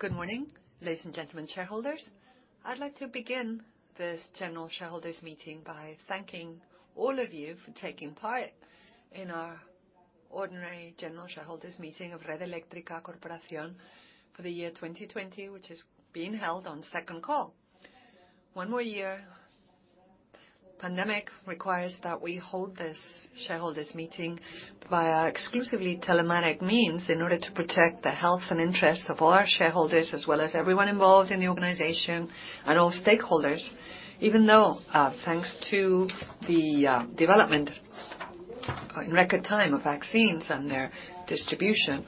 Good morning, ladies and gentlemen shareholders. I'd like to begin this general shareholders' meeting by thanking all of you for taking part in our ordinary general shareholders' meeting of Red Eléctrica Corporación for the year 2020, which is being held on second call. One more year, the pandemic requires that we hold this shareholders' meeting via exclusively telematic means in order to protect the health and interests of all our shareholders, as well as everyone involved in the organization and all stakeholders. Even though, thanks to the development in record time of vaccines and their distribution,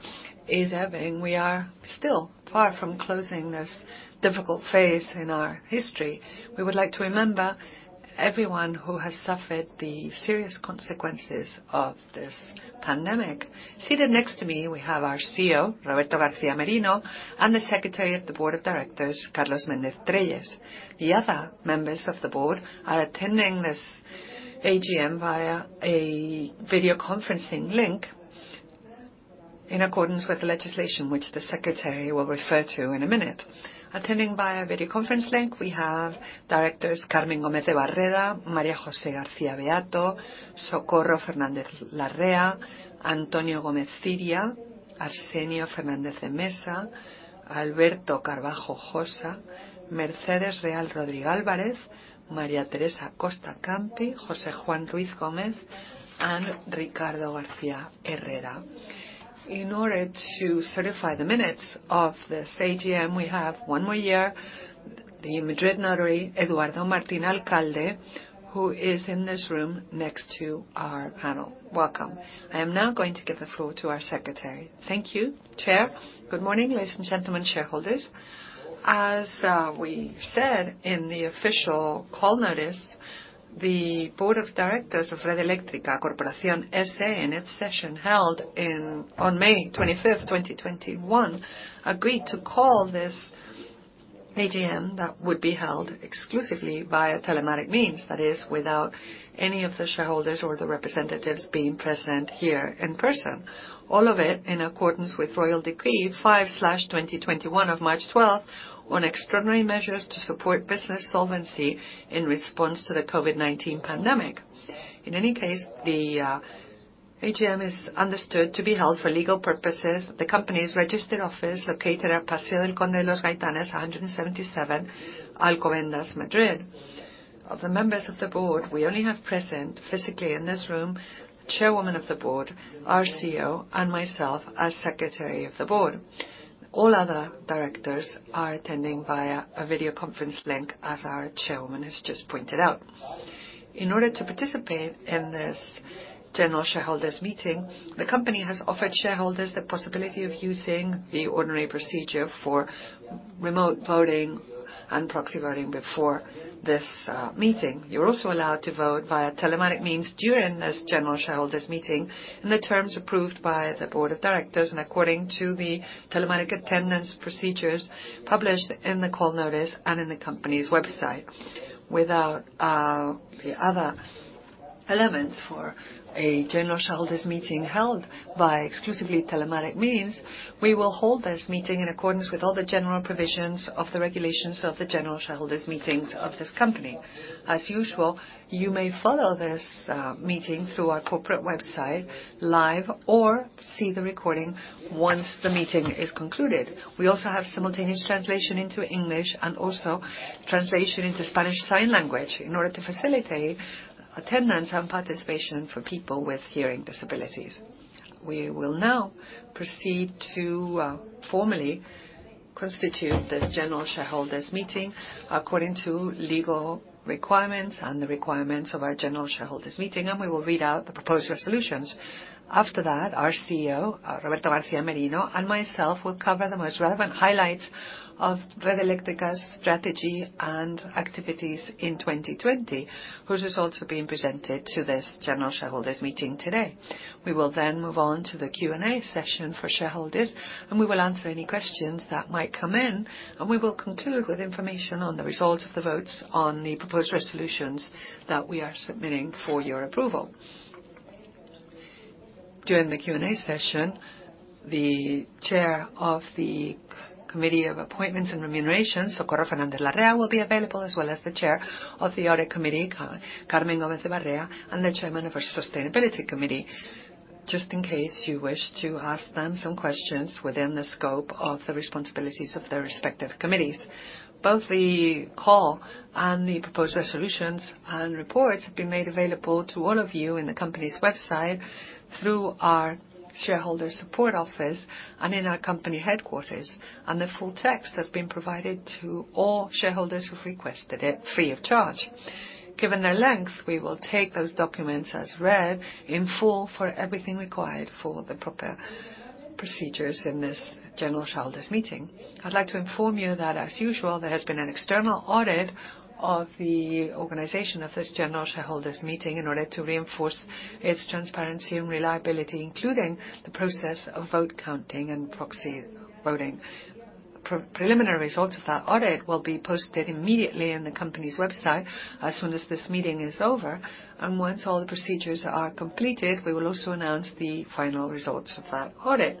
is happening, we are still far from closing this difficult phase in our history. We would like to remember everyone who has suffered the serious consequences of this pandemic. Seated next to me, we have our CEO, Roberto García Merino, and the Secretary of the Board of Directors, Carlos Méndez-Trelles. The other members of the board are attending this AGM via a video conferencing link in accordance with the legislation, which the Secretary will refer to in a minute. Attending via video conference link, we have Directors Carmen Gómez de Barreda, María José García Beato, Socorro Fernández Larrea, Antonio Gómez Ciria, Arsenio Fernández de Mesa, Alberto Carbajo Josa, Mercedes Real Rodrigo, María Teresa Costa Campi, José Juan Ruiz Gómez, and Ricardo García Herrera. In order to certify the minutes of this AGM, we have, one more year, the Madrid Notary, Eduardo Martín Alcalde, who is in this room next to our panel. Welcome. I am now going to give the floor to our Secretary. Thank you, Chair. Good morning, ladies and gentlemen shareholders. As we said in the official call notice, the Board of Directors of Red Eléctrica Corporación S.A., in its session held on May 25th, 2021, agreed to call this AGM that would be held exclusively via telematic means, that is, without any of the shareholders or the representatives being present here in person. All of it in accordance with Royal Decree 5/2021 of March 12th on extraordinary measures to support business solvency in response to the COVID-19 pandemic. In any case, the AGM is understood to be held for legal purposes at the company's registered office located at Paseo del Conde de los Gaitanes 177, Alcobendas, Madrid. Of the members of the board, we only have present physically in this room the Chairwoman of the Board, our CEO, and myself as Secretary of the Board. All other directors are attending via a video conference link, as our Chairwoman has just pointed out. In order to participate in this general shareholders' meeting, the company has offered shareholders the possibility of using the ordinary procedure for remote voting and proxy voting before this meeting. You're also allowed to vote via telematic means during this general shareholders' meeting in the terms approved by the Board of Directors and according to the telematic attendance procedures published in the call notice and in the company's website. Without the other elements for a general shareholders' meeting held by exclusively telematic means, we will hold this meeting in accordance with all the general provisions of the regulations of the general shareholders' meetings of this company. As usual, you may follow this meeting through our corporate website live or see the recording once the meeting is concluded. We also have simultaneous translation into English and also translation into Spanish sign language in order to facilitate attendance and participation for people with hearing disabilities. We will now proceed to formally constitute this general shareholders' meeting according to legal requirements and the requirements of our general shareholders' meeting, and we will read out the proposed resolutions. After that, our CEO, Roberto García Merino, and myself will cover the most relevant highlights of Red Eléctrica's strategy and activities in 2020, whose results are being presented to this general shareholders' meeting today. We will then move on to the Q&A session for shareholders, and we will answer any questions that might come in, and we will conclude with information on the results of the votes on the proposed resolutions that we are submitting for your approval. During the Q&A session, the Chair of the Committee of Appointments and Remuneration, Socorro Fernández Larrea, will be available, as well as the Chair of the Audit Committee, Carmen Gómez de Barreda, and the Chairman of our Sustainability Committee, just in case you wish to ask them some questions within the scope of the responsibilities of their respective committees. Both the call and the proposed resolutions and reports have been made available to all of you in the company's website through our Shareholder Support Office and in our company headquarters, and the full text has been provided to all shareholders who've requested it free of charge. Given their length, we will take those documents as read in full for everything required for the proper procedures in this general shareholders' meeting. I'd like to inform you that, as usual, there has been an external audit of the organization of this general shareholders' meeting in order to reinforce its transparency and reliability, including the process of vote counting and proxy voting. Preliminary results of that audit will be posted immediately on the company's website as soon as this meeting is over, and once all the procedures are completed, we will also announce the final results of that audit.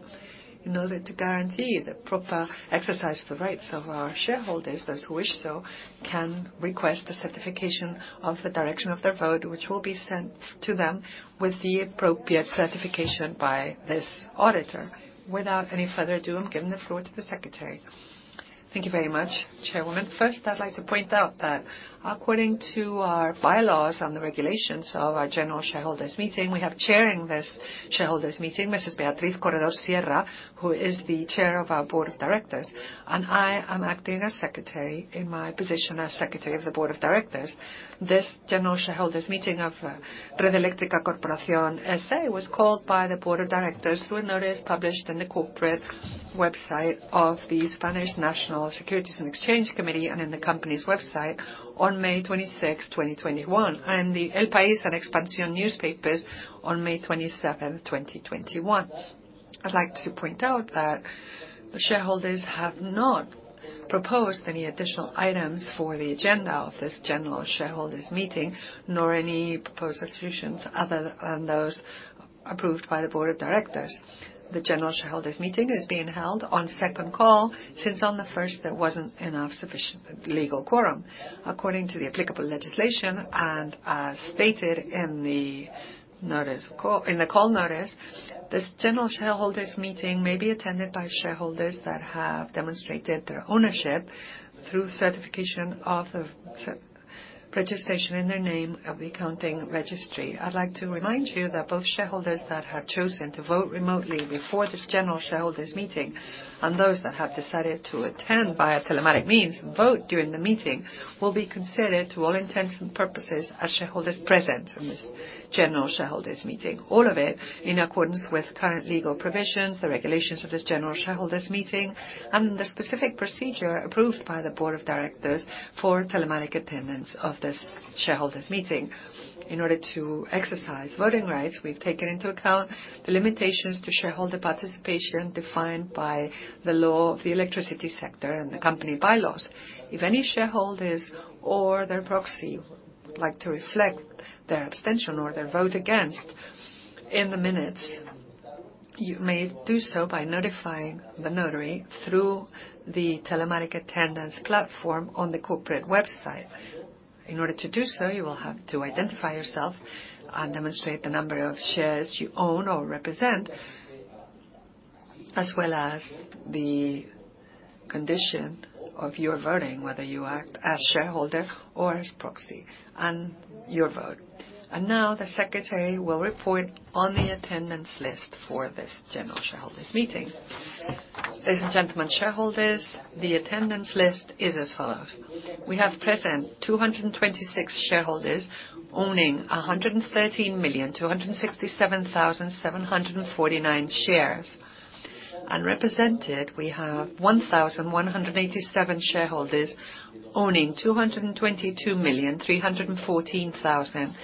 In order to guarantee the proper exercise of the rights of our shareholders, those who wish so can request the certification of the direction of their vote, which will be sent to them with the appropriate certification by this auditor. Without any further ado, I'm giving the floor to the Secretary. Thank you very much, Chairwoman. First, I'd like to point out that according to our bylaws and the regulations of our general shareholders' meeting, we have chairing this shareholders' meeting Mrs. Beatriz Corredor Sierra, who is the Chair of our Board of Directors, and I am acting as Secretary in my position as Secretary of the Board of Directors. This general shareholders' meeting of Red Eléctrica Corporación S.A. was called by the Board of Directors through a notice published in the corporate website of the Spanish National Securities and Market Commission and in the company's website on May 26th, 2021, and the El País and Expansión newspapers on May 27th, 2021. I'd like to point out that the shareholders have not proposed any additional items for the agenda of this general shareholders' meeting, nor any proposed resolutions other than those approved by the Board of Directors. The general shareholders' meeting is being held on second call since on the first there wasn't enough sufficient legal quorum. According to the applicable legislation and as stated in the call notice, this general shareholders' meeting may be attended by shareholders that have demonstrated their ownership through certification of the registration in their name of the accounting registry. I'd like to remind you that both shareholders that have chosen to vote remotely before this general shareholders' meeting and those that have decided to attend via telematic means and vote during the meeting will be considered to all intents and purposes as shareholders present in this general shareholders' meeting, all of it in accordance with current legal provisions, the regulations of this general shareholders' meeting, and the specific procedure approved by the Board of Directors for telematic attendance of this shareholders' meeting. In order to exercise voting rights, we've taken into account the limitations to shareholder participation defined by the law of the electricity sector and the company bylaws. If any shareholders or their proxy would like to reflect their abstention or their vote against in the minutes, you may do so by notifying the notary through the telematic attendance platform on the corporate website. In order to do so, you will have to identify yourself and demonstrate the number of shares you own or represent, as well as the condition of your voting, whether you act as shareholder or as proxy, and your vote, and now the Secretary will report on the attendance list for this general shareholders' meeting. Ladies and gentlemen shareholders, the attendance list is as follows. We have present 226 shareholders owning 113,267,749 shares. Unrepresented, we have 1,187 shareholders owning 222,314,818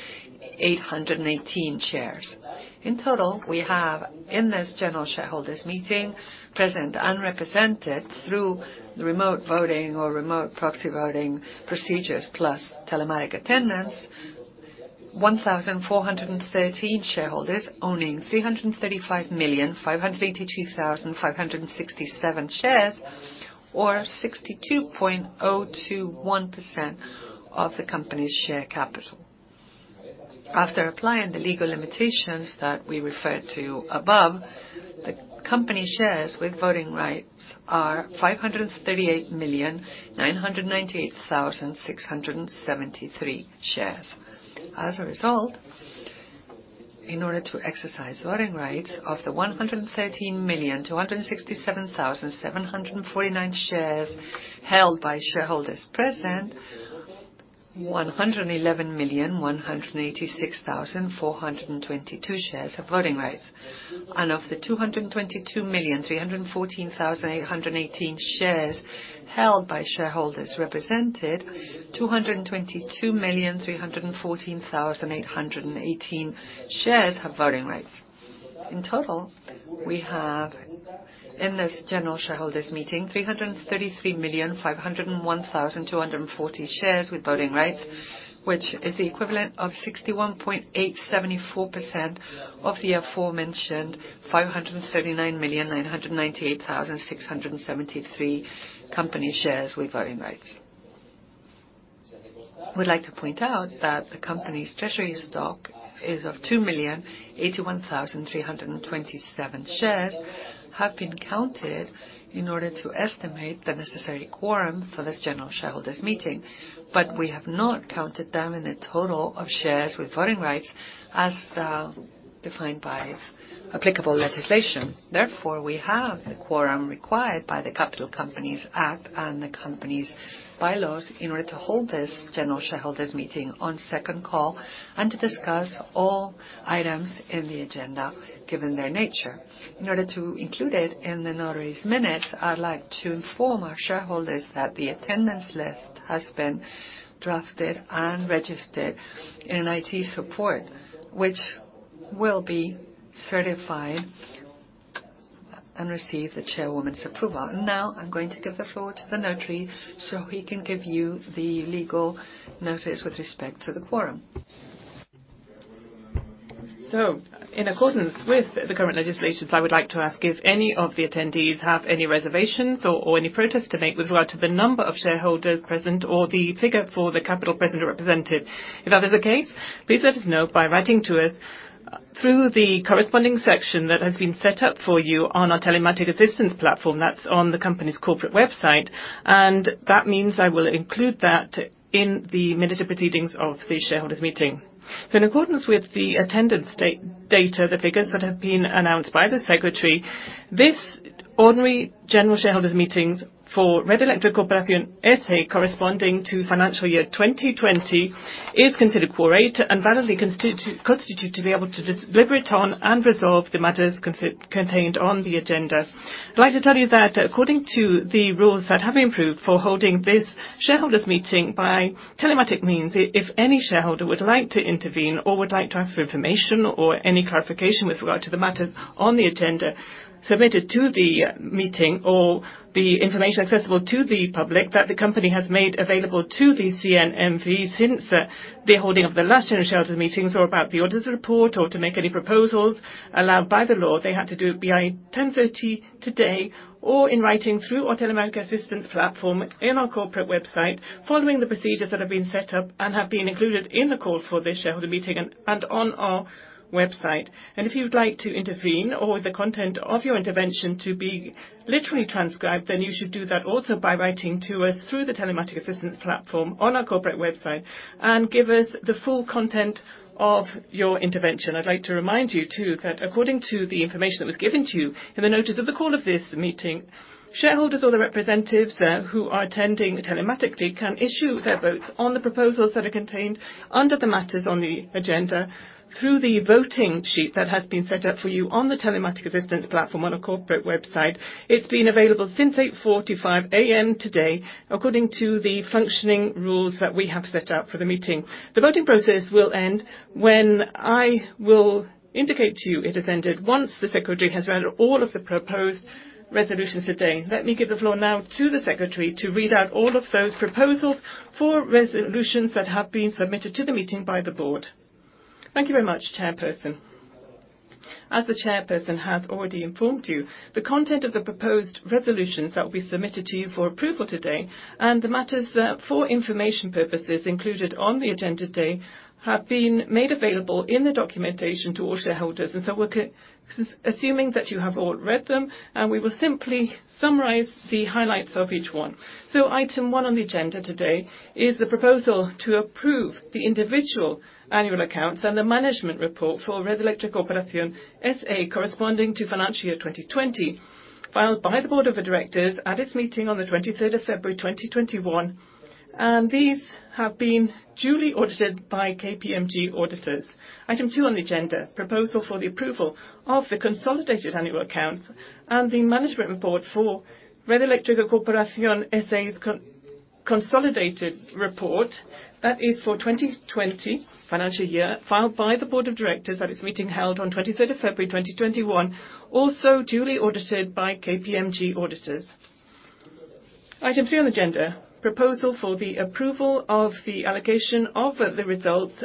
shares. In total, we have in this general shareholders' meeting present unrepresented through remote voting or remote proxy voting procedures plus telematic attendance, 1,413 shareholders owning 335,582,567 shares or 62.021% of the company's share capital. After applying the legal limitations that we referred to above, the company shares with voting rights are 538,998,673 shares. As a result, in order to exercise voting rights of the 113,267,749 shares held by shareholders present, 111,186,422 shares have voting rights. And of the 222,314,818 shares held by shareholders represented, 222,314,818 shares have voting rights. In total, we have in this general shareholders' meeting 333,501,240 shares with voting rights, which is the equivalent of 61.874% of the aforementioned 539,998,673 company shares with voting rights. We'd like to point out that the company's treasury stock is of 2,081,327 shares have been counted in order to estimate the necessary quorum for this general shareholders' meeting, but we have not counted them in the total of shares with voting rights as defined by applicable legislation. Therefore, we have the quorum required by the Capital Companies Act and the company's bylaws in order to hold this general shareholders' meeting on second call and to discuss all items in the agenda given their nature. In order to include it in the notary's minutes, I'd like to inform our shareholders that the attendance list has been drafted and registered in an IT support, which will be certified and receive the Chairwoman's approval. And now I'm going to give the floor to the notary so he can give you the legal notice with respect to the quorum. In accordance with the current legislation, I would like to ask if any of the attendees have any reservations or any protests to make with regard to the number of shareholders present or the figure for the capital present or represented. If that is the case, please let us know by writing to us through the corresponding section that has been set up for you on our telematic assistance platform. That's on the company's corporate website, and that means I will include that in the minutes of proceedings of the shareholders' meeting. In accordance with the attendance data, the figures that have been announced by the Secretary, this ordinary general shareholders' meeting for Red Eléctrica Corporación S.A. corresponding to financial year 2020 is considered quorate and validly constituted to be able to deliberate on and resolve the matters contained on the agenda. I'd like to tell you that according to the rules that have been approved for holding this shareholders' meeting by telematic means, if any shareholder would like to intervene or would like to ask for information or any clarification with regard to the matters on the agenda submitted to the meeting or the information accessible to the public that the company has made available to the CNMV since the holding of the last general shareholders' meetings or about the auditor's report or to make any proposals allowed by the law, they had to do it by 10:30 A.M. today or in writing through our telematic assistance platform in our corporate website following the procedures that have been set up and have been included in the call for this shareholder meeting and on our website. If you'd like to intervene or the content of your intervention to be literally transcribed, then you should do that also by writing to us through the telematic assistance platform on our corporate website and give us the full content of your intervention. I'd like to remind you too that according to the information that was given to you in the notice of the call of this meeting, shareholders or the representatives who are attending telematically can issue their votes on the proposals that are contained under the matters on the agenda through the voting sheet that has been set up for you on the telematic assistance platform on our corporate website. It's been available since 8:45 A.M. today according to the functioning rules that we have set out for the meeting. The voting process will end when I will indicate to you it has ended once the Secretary has read all of the proposed resolutions today. Let me give the floor now to the Secretary to read out all of those proposals for resolutions that have been submitted to the meeting by the board. Thank you very much, Chairperson. As the Chairperson has already informed you, the content of the proposed resolutions that will be submitted to you for approval today and the matters for information purposes included on the agenda today have been made available in the documentation to all shareholders. And so we're assuming that you have all read them, and we will simply summarize the highlights of each one. So, item one on the agenda today is the proposal to approve the individual annual accounts and the Management Report for Red Eléctrica Corporación S.A. corresponding to financial year 2020 filed by the Board of Directors at its meeting on the 23rd of February, 2021, and these have been duly audited by KPMG auditors. Item two on the agenda: proposal for the approval of the consolidated annual accounts and the management report for Red Eléctrica Corporación S.A.'s consolidated report that is for 2020 financial year filed by the Board of Directors at its meeting held on 23rd of February, 2021, also duly audited by KPMG auditors. Item three on the agenda: proposal for the approval of the allocation of the results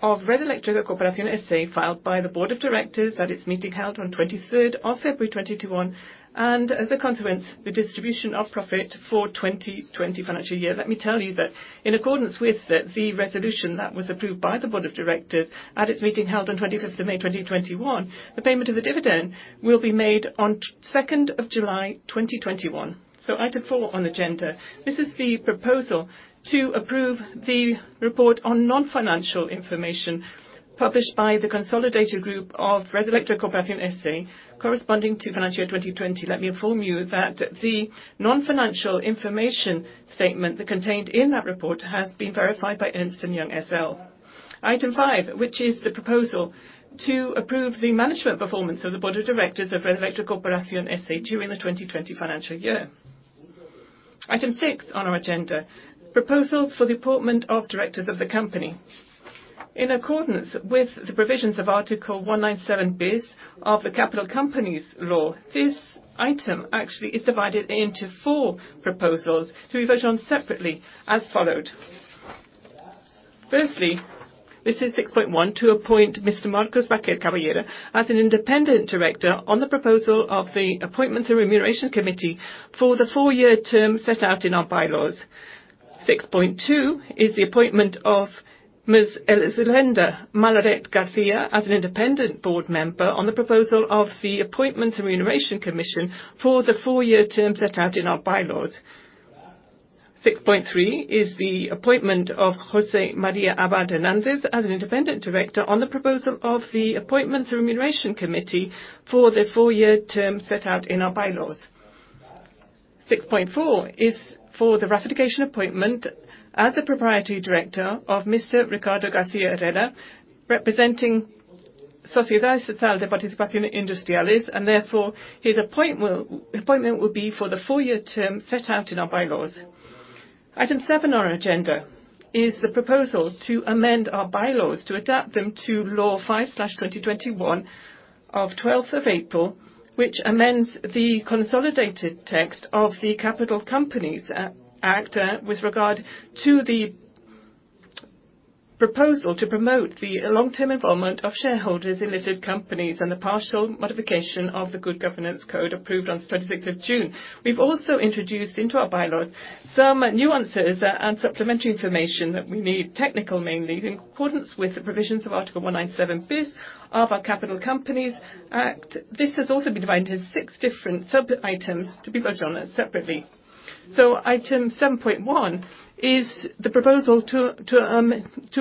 of Red Eléctrica Corporación S.A. filed by the Board of Directors at its meeting held on 23rd of February, 2021, and as a consequence, the distribution of profit for 2020 financial year. Let me tell you that in accordance with the resolution that was approved by the Board of Directors at its meeting held on 25th of May, 2021, the payment of the dividend will be made on 2nd of July, 2021. So, item four on the agenda: this is the proposal to approve the report on non-financial information published by the consolidated group of Red Eléctrica Corporación S.A. corresponding to financial year 2020. Let me inform you that the non-financial information statement contained in that report has been verified by Ernst & Young S.L. Item five, which is the proposal to approve the management performance of the Board of Directors of Red Eléctrica Corporación S.A. during the 2020 financial year. Item six on our agenda: proposals for the appointment of directors of the company. In accordance with the provisions of Article 197-B of the Capital Companies Law, this item actually is divided into four proposals to be voted on separately as follows. Firstly, this is 6.1 to appoint Mr. Marcos Vaquer Caballería as an independent director on the proposal of the Appointments and Remuneration Committee for the four-year term set out in our bylaws. 6.2 is the appointment of Ms. Elisenda Malaret García as an independent board member on the proposal of the Appointment and Remuneration Commission for the four-year term set out in our bylaws. 6.3 is the appointment of José María Abad Hernández as an independent director on the proposal of the Appointments and Remuneration Committee for the four-year term set out in our bylaws. 6.4 is for the ratification appointment as a proprietary director of Mr. Ricardo García Herrera, representing Sociedad Estatal de Participaciones Industriales, and therefore his appointment will be for the four-year term set out in our bylaws. Item seven on our agenda is the proposal to amend our bylaws to adapt them to Law 5/2021 of 12th of April, which amends the consolidated text of the Capital Companies Act with regard to the proposal to promote the long-term involvement of shareholders in listed companies and the partial modification of the Good Governance Code approved on 26th of June. We've also introduced into our bylaws some nuances and supplementary information that we need, technical mainly, in accordance with the provisions of Article 197-B of our Capital Companies Act. This has also been divided into six different sub-items to be voted on separately. Item 7.1 is the proposal to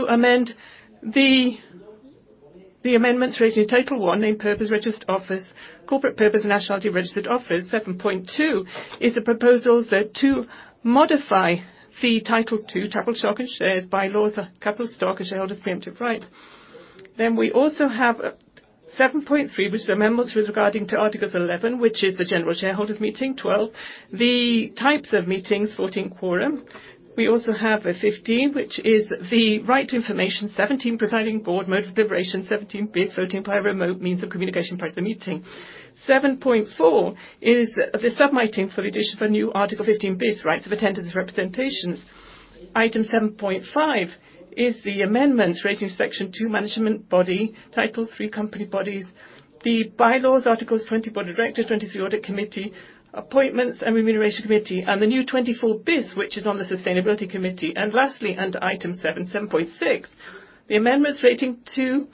amend the Bylaws Title I named Purpose, Registered Office, Corporate Purpose and Nationality. 7.2 is the proposals to modify the Title II, capital stock and shares bylaws or capital stock and shareholders' preemptive right. We also have 7.3, which is amendments with regard to Article 11, which is the general shareholders' meeting, 12, the types of meetings, 14, quorum. We also have 15, which is the right to information, 17, presiding board, mode of deliberation, 17 bis, voting by remote means of communication prior to the meeting. 7.4 is the amendment for the addition of a new Article 15 bis, rights of attendance and representations. Item 7.5 is the amendments registered section two management body, Title III company bodies, the bylaws, Article 20 board of directors, 23 Audit Committee appointments and remuneration committee, and the new 24-B, which is on the Sustainability Committee, and lastly, under item 7, 7.6, the amendments registered to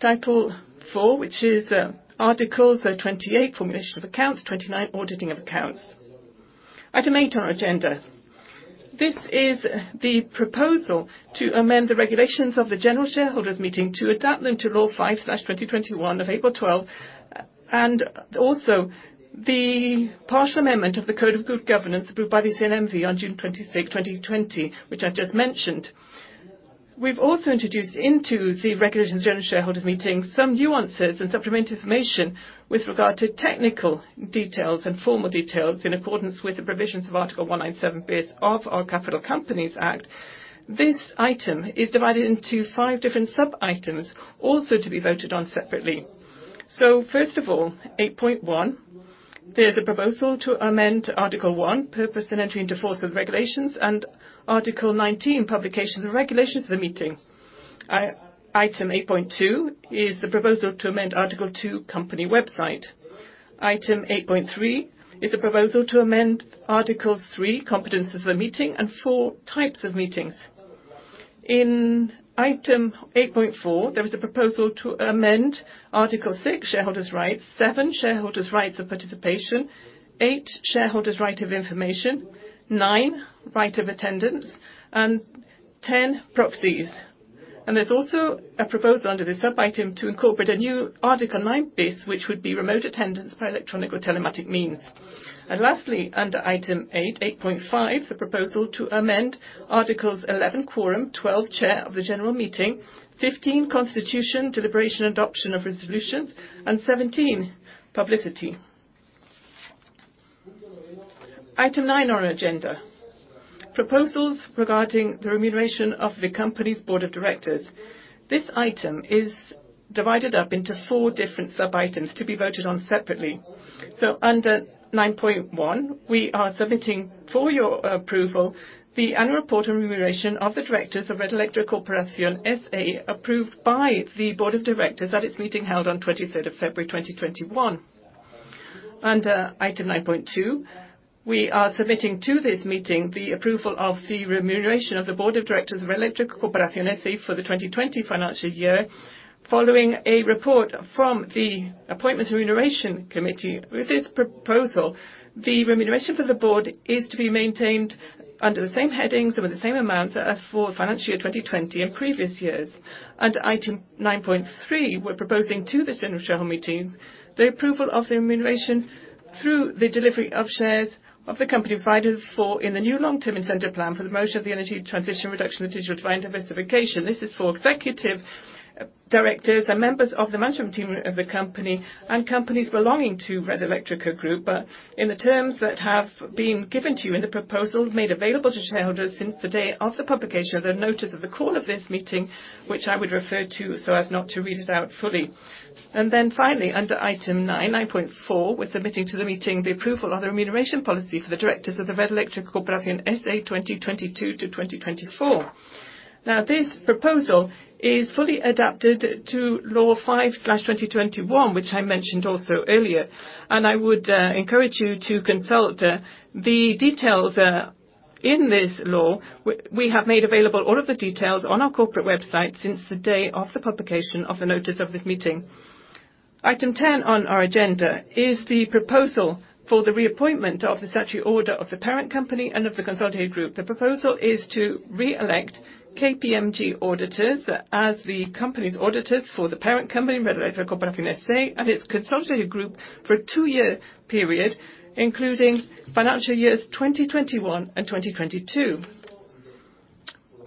Title IV, which is Articles 28, formulation of accounts, 29, auditing of accounts. Item eight on our agenda: this is the proposal to amend the Regulations of the General Shareholders' Meeting to adapt them to law 5/2021 of April 12, and also the partial amendment of the Code of Good Governance approved by the CNMV on June 26, 2020, which I've just mentioned. We've also introduced into the Regulations of the General Shareholders' Meeting some nuances and supplementary information with regard to technical details and formal details in accordance with the provisions of Article 197-B of our Capital Companies Act. This item is divided into five different sub-items also to be voted on separately. So, first of all, 8.1, there's a proposal to amend Article 1, purpose and entry into force of the regulations, and Article 19, publication of the regulations of the meeting. Item 8.2 is the proposal to amend Article 2, company website. Item 8.3 is the proposal to amend Article 3, competences of the meeting, and four types of meetings. In item 8.4, there was a proposal to amend Article 6, shareholders' rights, 7, shareholders' rights of participation, 8, shareholders' right of information, 9, right of attendance, and 10, proxies, and there's also a proposal under this sub-item to incorporate a new Article 9-B, which would be remote attendance by electronic or telematic means. And lastly, under item 8, 8.5, the proposal to amend Articles 11, quorum, 12, chair of the general meeting, 15, constitution, deliberation and adoption of resolutions, and 17, publicity. Item 9 on our agenda: proposals regarding the remuneration of the company's board of directors. This item is divided up into four different sub-items to be voted on separately. So, under 9.1, we are submitting for your approval the Annual Report on Remuneration of the Directors of Red Eléctrica Corporación S.A. approved by the board of directors at its meeting held on 23rd of February, 2021. Under item 9.2, we are submitting to this meeting the approval of the remuneration of the board of directors of Red Eléctrica Corporación S.A. for the 2020 financial year following a report from the appointment and remuneration committee. With this proposal, the remuneration for the board is to be maintained under the same headings and with the same amounts as for financial year 2020 and previous years. Under item 9.3, we're proposing to the general shareholder meeting the approval of the remuneration through the delivery of shares of the company provided for in the new long-term incentive plan for the motion of the energy transition, reduction of digital divide and diversification. This is for executive directors and members of the management team of the company and companies belonging to Red Eléctrica Group, but in the terms that have been given to you in the proposal made available to shareholders since the day of the publication of the notice of the call of this meeting, which I would refer to so as not to read it out fully. Then finally, under item 9, 9.4, we're submitting to the meeting the approval of the remuneration policy for the directors of the Red Eléctrica Corporación S.A. 2022 to 2024. Now, this proposal is fully adapted to Law 5/2021, which I mentioned also earlier, and I would encourage you to consult the details in this law. We have made available all of the details on our corporate website since the day of the publication of the notice of this meeting. Item 10 on our agenda is the proposal for the reappointment of the statutory auditor of the parent company and of the consolidated group. The proposal is to re-elect KPMG auditors as the company's auditors for the parent company Red Eléctrica Corporación S.A. and its consolidated group for a two-year period, including financial years 2021 and 2022.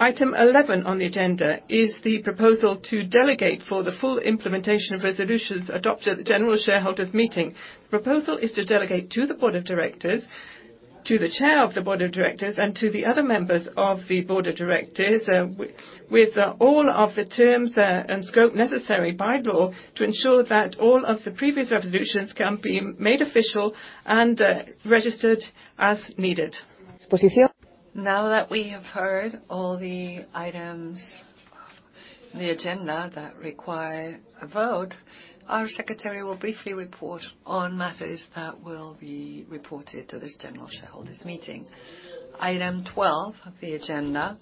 Item 11 on the agenda is the proposal to delegate for the full implementation of resolutions adopted at the general shareholders' meeting. The proposal is to delegate to the board of directors, to the chair of the board of directors, and to the other members of the board of directors with all of the terms and scope necessary by law to ensure that all of the previous resolutions can be made official and registered as needed. Exposición. Now that we have heard all the items on the agenda that require a vote, our secretary will briefly report on matters that will be reported to this general shareholders' meeting. Item 12 of the agenda: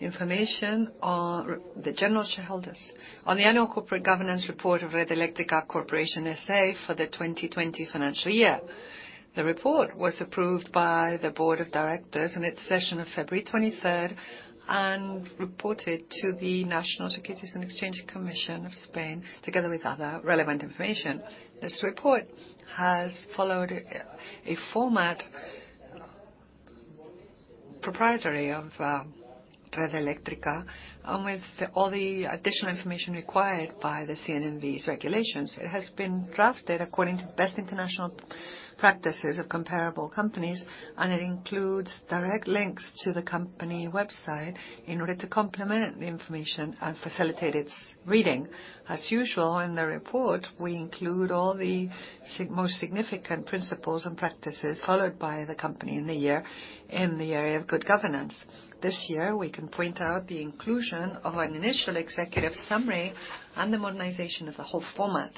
information to the general shareholders on the Annual Corporate Governance Report of Red Eléctrica Corporación S.A. for the 2020 financial year. The report was approved by the board of directors in its session of February 23rd and reported to the National Securities and Market Commission together with other relevant information. This report has followed a format proprietary of Red Eléctrica and with all the additional information required by the CNMV's regulations. It has been drafted according to the best international practices of comparable companies, and it includes direct links to the company website in order to complement the information and facilitate its reading. As usual in the report, we include all the most significant principles and practices followed by the company in the year in the area of good governance. This year, we can point out the inclusion of an initial executive summary and the modernization of the whole format.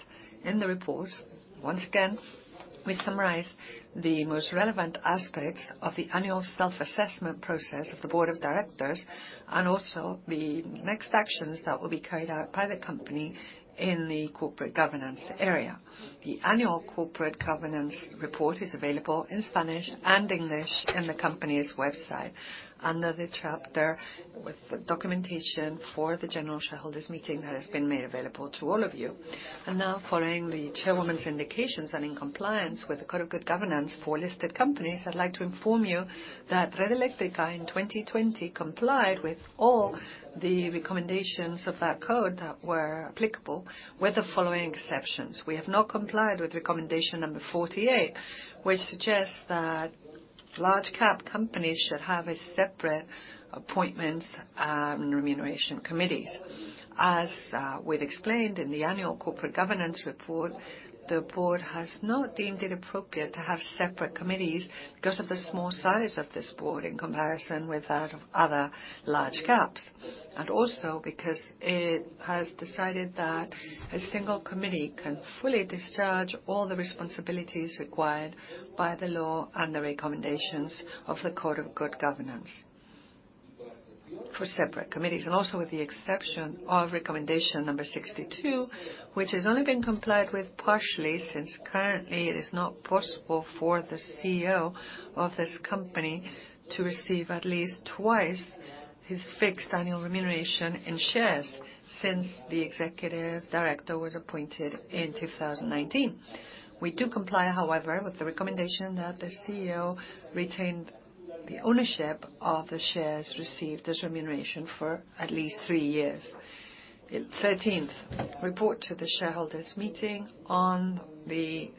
In the report, once again, we summarize the most relevant aspects of the annual self-assessment process of the Board of Directors and also the next actions that will be carried out by the company in the corporate governance area. The Annual Corporate Governance Report is available in Spanish and English in the company's website under the chapter with the documentation for the general shareholders' meeting that has been made available to all of you. And now, following the Chairwoman's indications and in compliance with the Code of Good Governance for listed companies, I'd like to inform you that Red Eléctrica in 2020 complied with all the recommendations of that code that were applicable with the following exceptions. We have not complied with recommendation number 48, which suggests that large-cap companies should have separate appointments and remuneration committees. As we've explained in the Annual Corporate Governance Report, the board has not deemed it appropriate to have separate committees because of the small size of this board in comparison with that of other large-caps, and also because it has decided that a single committee can fully discharge all the responsibilities required by the law and the recommendations of the Code of Good Governance for separate committees, and also with the exception of recommendation number 62, which has only been complied with partially since currently it is not possible for the CEO of this company to receive at least twice his fixed annual remuneration in shares since the executive director was appointed in 2019. We do comply, however, with the recommendation that the CEO retain the ownership of the shares received as remuneration for at least three years. 13th, report to the shareholders' meeting on the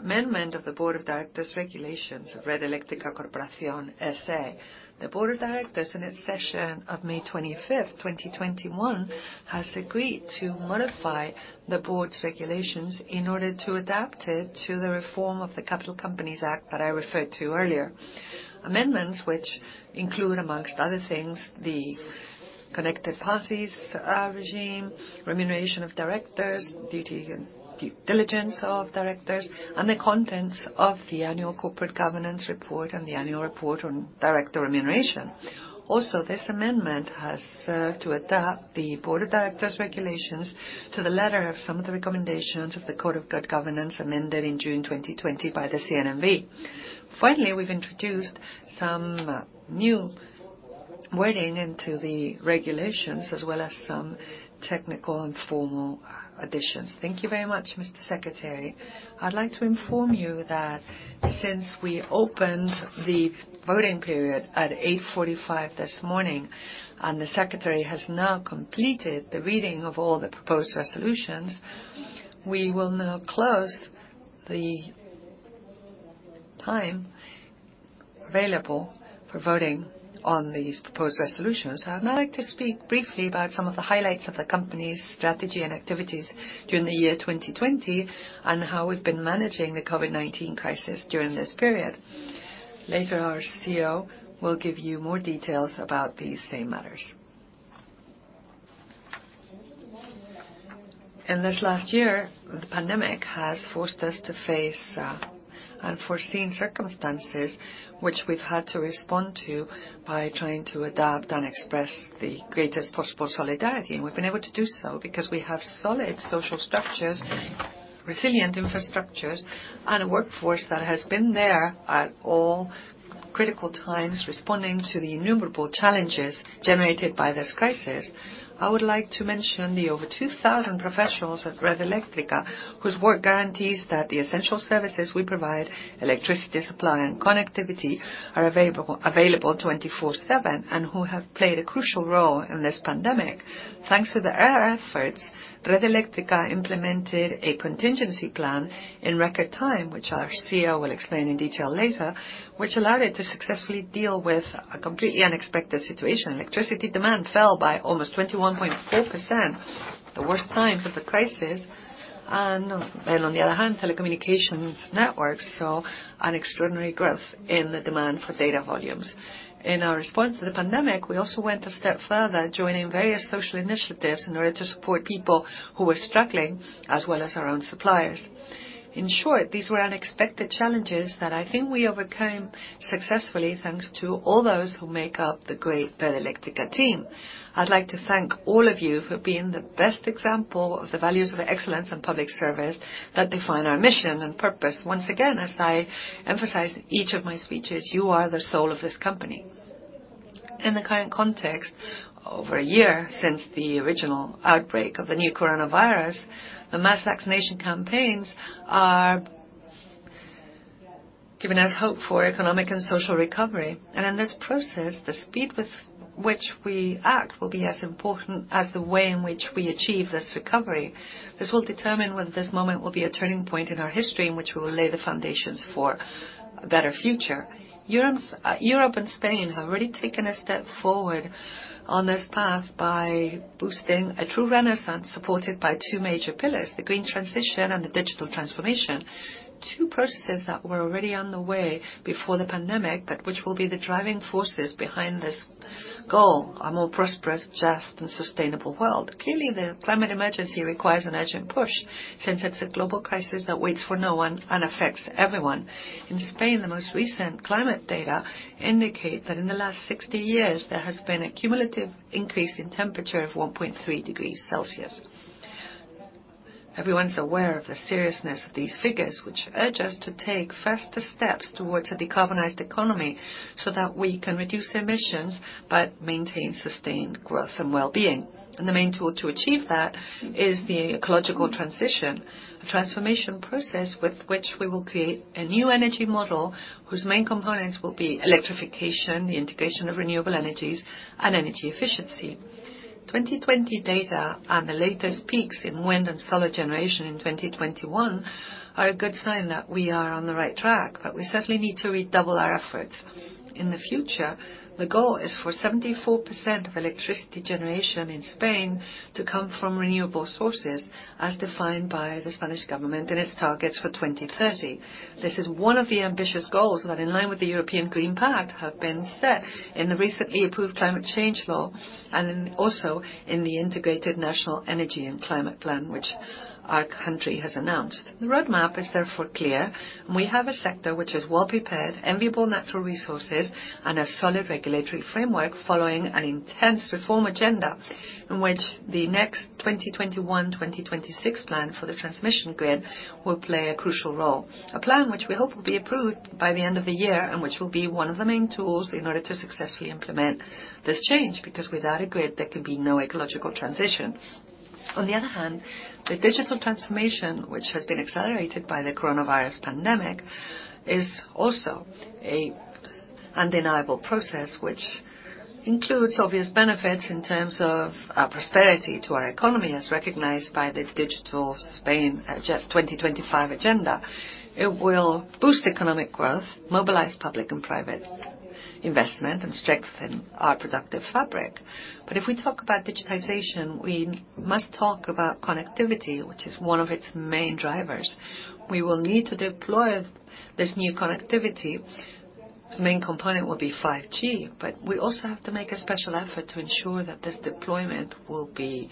amendment of the Board of Directors' Regulations of Red Eléctrica Corporación S.A. The board of directors in its session of May 25th, 2021, has agreed to modify the board's regulations in order to adapt it to the reform of the Capital Companies Act that I referred to earlier. Amendments which include, amongst other things, the connected parties regime, remuneration of directors, due diligence of directors, and the contents of the Annual Corporate Governance Report and the Annual Report on Director Remuneration. Also, this amendment has served to adapt the Board of Directors' Regulations to the letter of some of the recommendations of the Code of Good Governance amended in June 2020 by the CNMV. Finally, we've introduced some new wording into the regulations as well as some technical and formal additions. Thank you very much, Mr. Secretary. I'd like to inform you that since we opened the voting period at 8:45 A.M. this morning and the secretary has now completed the reading of all the proposed resolutions, we will now close the time available for voting on these proposed resolutions. I'd now like to speak briefly about some of the highlights of the company's strategy and activities during the year 2020 and how we've been managing the COVID-19 crisis during this period. Later, our CEO will give you more details about these same matters. In this last year, the pandemic has forced us to face unforeseen circumstances which we've had to respond to by trying to adapt and express the greatest possible solidarity, and we've been able to do so because we have solid social structures, resilient infrastructures, and a workforce that has been there at all critical times responding to the innumerable challenges generated by this crisis. I would like to mention the over 2,000 professionals at Red Eléctrica whose work guarantees that the essential services we provide, electricity supply and connectivity, are available 24/7 and who have played a crucial role in this pandemic. Thanks to their efforts, Red Eléctrica implemented a contingency plan in record time, which our CEO will explain in detail later, which allowed it to successfully deal with a completely unexpected situation. Electricity demand fell by almost 21.4%, the worst times of the crisis, and then on the other hand, telecommunications networks saw an extraordinary growth in the demand for data volumes. In our response to the pandemic, we also went a step further joining various social initiatives in order to support people who were struggling as well as our own suppliers. In short, these were unexpected challenges that I think we overcame successfully thanks to all those who make up the great Red Eléctrica team. I'd like to thank all of you for being the best example of the values of excellence and public service that define our mission and purpose. Once again, as I emphasize in each of my speeches, you are the soul of this company. In the current context, over a year since the original outbreak of the new coronavirus, the mass vaccination campaigns are giving us hope for economic and social recovery, and in this process, the speed with which we act will be as important as the way in which we achieve this recovery. This will determine whether this moment will be a turning point in our history in which we will lay the foundations for a better future. Europe and Spain have already taken a step forward on this path by boosting a true renaissance supported by two major pillars: the green transition and the digital transformation, two processes that were already on the way before the pandemic but which will be the driving forces behind this goal: a more prosperous, just, and sustainable world. Clearly, the climate emergency requires an urgent push since it's a global crisis that waits for no one and affects everyone. In Spain, the most recent climate data indicate that in the last 60 years, there has been a cumulative increase in temperature of 1.3 degrees Celsius. Everyone's aware of the seriousness of these figures, which urges us to take faster steps towards a decarbonized economy so that we can reduce emissions but maintain sustained growth and well-being. And the main tool to achieve that is the ecological transition, a transformation process with which we will create a new energy model whose main components will be electrification, the integration of renewable energies, and energy efficiency. 2020 data and the latest peaks in wind and solar generation in 2021 are a good sign that we are on the right track, but we certainly need to redouble our efforts. In the future, the goal is for 74% of electricity generation in Spain to come from renewable sources as defined by the Spanish government in its targets for 2030. This is one of the ambitious goals that, in line with the European Green Deal, have been set in the recently approved Climate Change Law and also in the Integrated National Energy and Climate Plan which our country has announced. The roadmap is therefore clear. We have a sector which is well-prepared, enviable natural resources, and a solid regulatory framework following an intense reform agenda in which the next 2021-2026 plan for the transmission grid will play a crucial role, a plan which we hope will be approved by the end of the year and which will be one of the main tools in order to successfully implement this change because without a grid, there can be no ecological transition. On the other hand, the digital transformation, which has been accelerated by the coronavirus pandemic, is also an undeniable process which includes obvious benefits in terms of prosperity to our economy as recognized by the Digital Spain 2025 agenda. It will boost economic growth, mobilize public and private investment, and strengthen our productive fabric. But if we talk about digitization, we must talk about connectivity, which is one of its main drivers. We will need to deploy this new connectivity. The main component will be 5G, but we also have to make a special effort to ensure that this deployment will be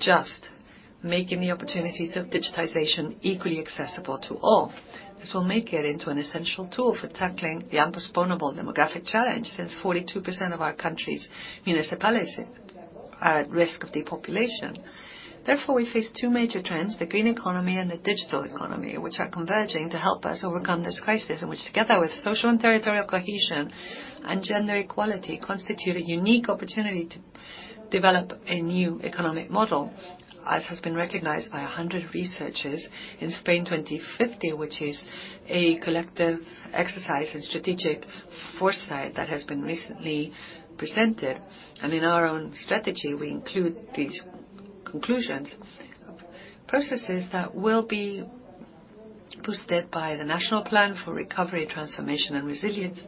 just, making the opportunities of digitization equally accessible to all. This will make it into an essential tool for tackling the unpostponable demographic challenge since 42% of our country's municipalities are at risk of depopulation. Therefore, we face two major trends: the green economy and the digital economy, which are converging to help us overcome this crisis in which, together with social and territorial cohesion and gender equality, constitute a unique opportunity to develop a new economic model, as has been recognized by 100 researchers in Spain 2050, which is a collective exercise in strategic foresight that has been recently presented, and in our own strategy, we include these conclusions. Processes that will be boosted by the national plan for recovery, transformation, and resilience,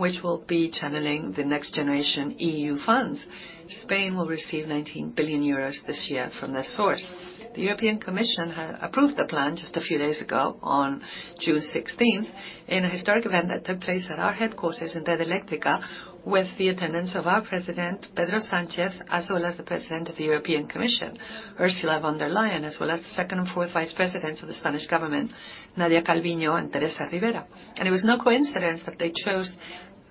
which will be channeling the NextGenerationEU funds. Spain will receive 19 billion euros this year from this source. The European Commission approved the plan just a few days ago on June 16th in a historic event that took place at our headquarters in Red Eléctrica with the attendance of our president, Pedro Sánchez, as well as the president of the European Commission, Ursula von der Leyen, as well as the second and fourth vice presidents of the Spanish government, Nadia Calviño and Teresa Ribera, and it was no coincidence that they chose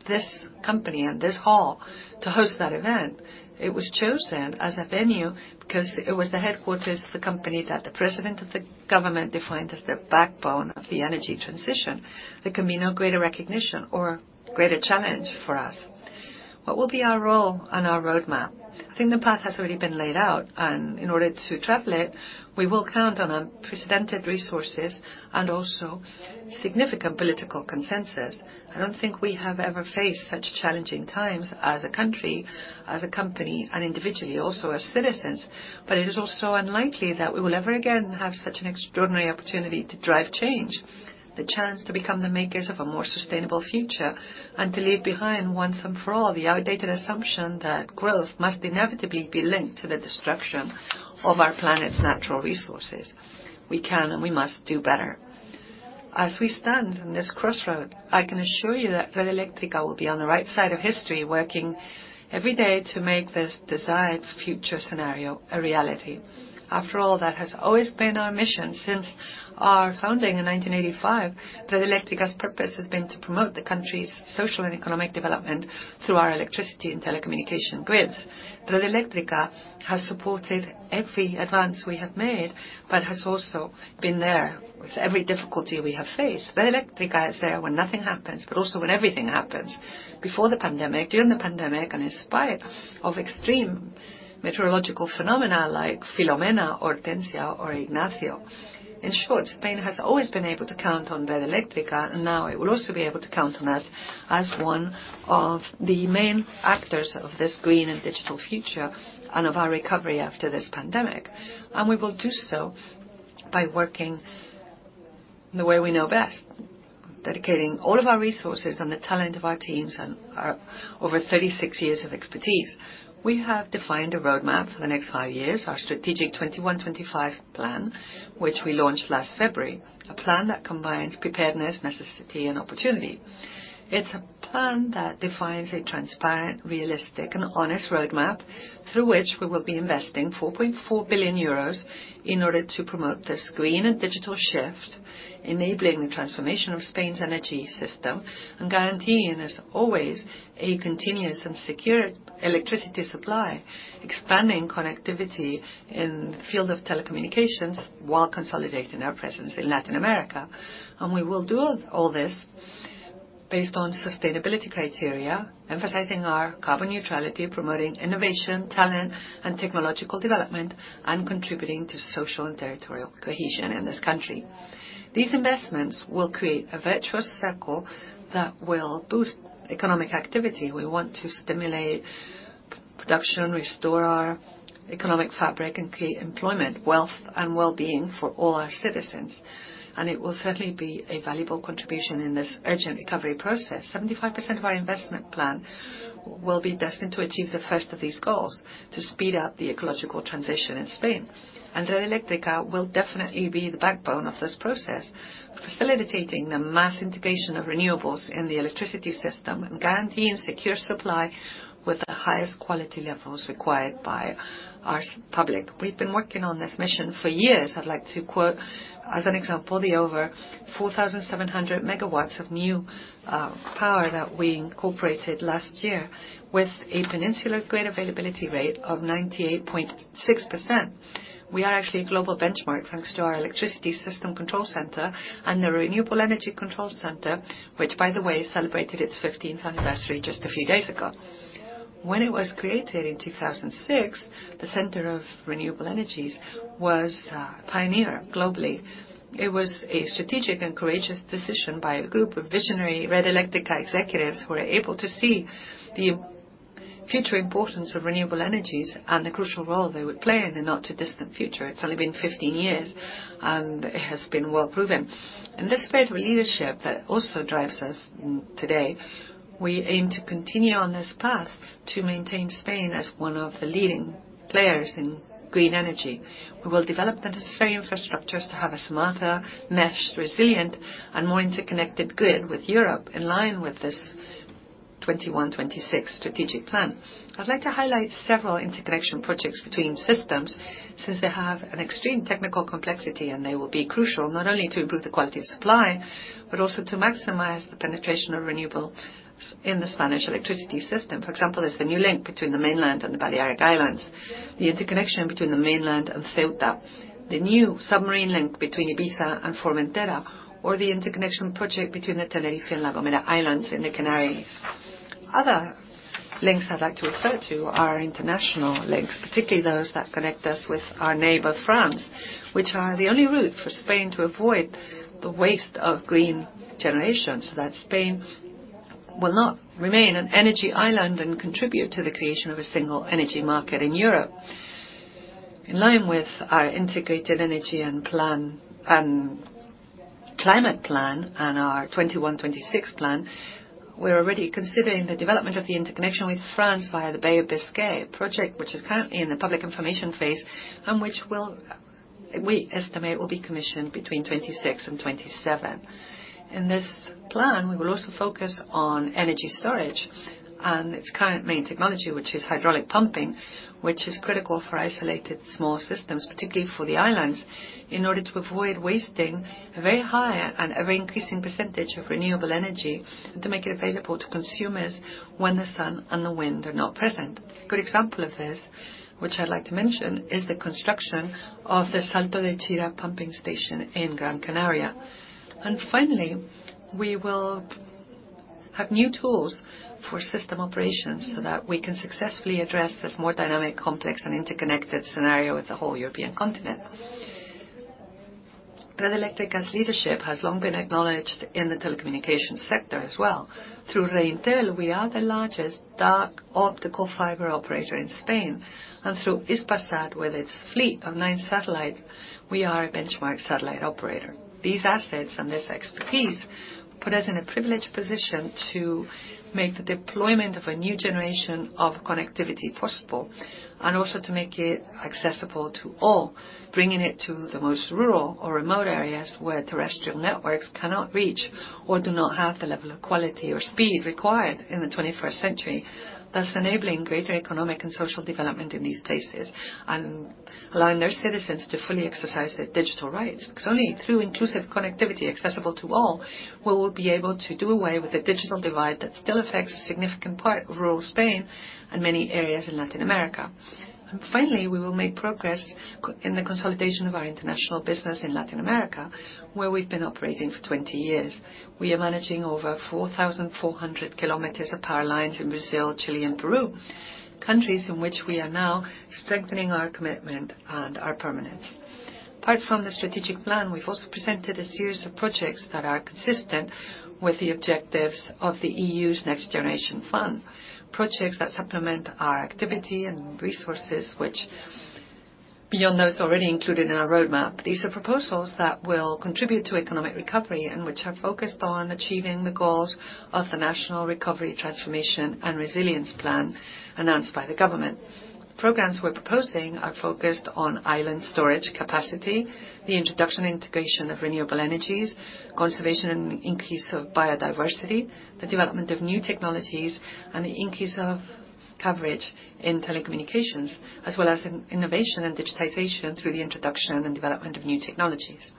this company and this hall to host that event. It was chosen as a venue because it was the headquarters of the company that the president of the government defined as the backbone of the energy transition. There can be no greater recognition or greater challenge for us. What will be our role and our roadmap? I think the path has already been laid out, and in order to travel it, we will count on unprecedented resources and also significant political consensus. I don't think we have ever faced such challenging times as a country, as a company, and individually, also as citizens, but it is also unlikely that we will ever again have such an extraordinary opportunity to drive change, the chance to become the makers of a more sustainable future, and to leave behind once and for all the outdated assumption that growth must inevitably be linked to the destruction of our planet's natural resources. We can and we must do better. As we stand in this crossroad, I can assure you that Red Eléctrica will be on the right side of history, working every day to make this desired future scenario a reality. After all, that has always been our mission. Since our founding in 1985, Red Eléctrica's purpose has been to promote the country's social and economic development through our electricity and telecommunication grids. Red Eléctrica has supported every advance we have made but has also been there with every difficulty we have faced. Red Eléctrica is there when nothing happens, but also when everything happens: before the pandemic, during the pandemic, and in spite of extreme meteorological phenomena like Filomena, Hortensia, or Ignacio. In short, Spain has always been able to count on Red Eléctrica, and now it will also be able to count on us as one of the main actors of this green and digital future and of our recovery after this pandemic, and we will do so by working the way we know best, dedicating all of our resources and the talent of our teams and our over 36 years of expertise. We have defined a roadmap for the next five years, our 2021-2025 Strategic Plan, which we launched last February, a plan that combines preparedness, necessity, and opportunity. It's a plan that defines a transparent, realistic, and honest roadmap through which we will be investing 4.4 billion euros in order to promote this green and digital shift, enabling the transformation of Spain's energy system and guaranteeing, as always, a continuous and secure electricity supply, expanding connectivity in the field of telecommunications while consolidating our presence in Latin America. And we will do all this based on sustainability criteria, emphasizing our carbon neutrality, promoting innovation, talent, and technological development, and contributing to social and territorial cohesion in this country. These investments will create a virtuous circle that will boost economic activity. We want to stimulate production, restore our economic fabric, and create employment, wealth, and well-being for all our citizens. And it will certainly be a valuable contribution in this urgent recovery process. 75% of our investment plan will be destined to achieve the first of these goals: to speed up the ecological transition in Spain, and Red Eléctrica will definitely be the backbone of this process, facilitating the mass integration of renewables in the electricity system and guaranteeing secure supply with the highest quality levels required by our public. We've been working on this mission for years. I'd like to quote, as an example, the over 4,700 megawatts of new power that we incorporated last year with a peninsular grid availability rate of 98.6%. We are actually a global benchmark thanks to our Electricity System Control Center and the Renewable Energy Control center, which, by the way, celebrated its 15th anniversary just a few days ago. When it was created in 2006, the center of renewable energies was a pioneer globally. It was a strategic and courageous decision by a group of visionary Red Eléctrica executives who were able to see the future importance of renewable energies and the crucial role they would play in the not-too-distant future. It's only been 15 years, and it has been well proven. In this spirit of leadership that also drives us today, we aim to continue on this path to maintain Spain as one of the leading players in green energy. We will develop the necessary infrastructures to have a smarter, meshed, resilient, and more interconnected grid with Europe in line with this 2021-2025 Strategic Plan. I'd like to highlight several interconnection projects between systems since they have an extreme technical complexity, and they will be crucial not only to improve the quality of supply but also to maximize the penetration of renewables in the Spanish electricity system. For example, there's the new link between the mainland and the Balearic Islands, the interconnection between the mainland and Ceuta, the new submarine link between Ibiza and Formentera, or the interconnection project between the Tenerife and La Gomera Islands in the Canaries. Other links I'd like to refer to are international links, particularly those that connect us with our neighbor France, which are the only route for Spain to avoid the waste of green generation so that Spain will not remain an energy island and contribute to the creation of a single energy market in Europe. In line with our Integrated Energy and Climate Plan and our 2026 plan, we're already considering the development of the interconnection with France via the Bay of Biscay project, which is currently in the public information phase and which we estimate will be commissioned between 2026 and 2027. In this plan, we will also focus on energy storage and its current main technology, which is hydraulic pumping, which is critical for isolated small systems, particularly for the islands, in order to avoid wasting a very high and ever-increasing percentage of renewable energy and to make it available to consumers when the sun and the wind are not present. A good example of this, which I'd like to mention, is the construction of the Salto de Chira pumping station in Gran Canaria, and finally, we will have new tools for system operations so that we can successfully address this more dynamic, complex, and interconnected scenario with the whole European continent. Red Eléctrica's leadership has long been acknowledged in the telecommunication sector as well. Through Reintel, we are the largest dark optical fiber operator in Spain. And through Hispasat, with its fleet of nine satellites, we are a benchmark satellite operator. These assets and this expertise put us in a privileged position to make the deployment of a new generation of connectivity possible and also to make it accessible to all, bringing it to the most rural or remote areas where terrestrial networks cannot reach or do not have the level of quality or speed required in the 21st century. Thus, enabling greater economic and social development in these places and allowing their citizens to fully exercise their digital rights. Because only through inclusive connectivity accessible to all, we will be able to do away with the digital divide that still affects a significant part of rural Spain and many areas in Latin America. Finally, we will make progress in the consolidation of our international business in Latin America, where we've been operating for 20 years. We are managing over 4,400 kilometers of power lines in Brazil, Chile, and Peru, countries in which we are now strengthening our commitment and our permanence. Apart from the strategic plan, we've also presented a series of projects that are consistent with the objectives of the EU's Next Generation EU, projects that supplement our activity and resources, which, beyond those, are already included in our roadmap. These are proposals that will contribute to economic recovery and which are focused on achieving the goals of the National Recovery, Transformation and Resilience Plan announced by the government. The programs we're proposing are focused on island storage capacity, the introduction and integration of renewable energies, conservation and increase of biodiversity, the development of new technologies, and the increase of coverage in telecommunications, as well as innovation and digitization through the introduction and development of new technologies.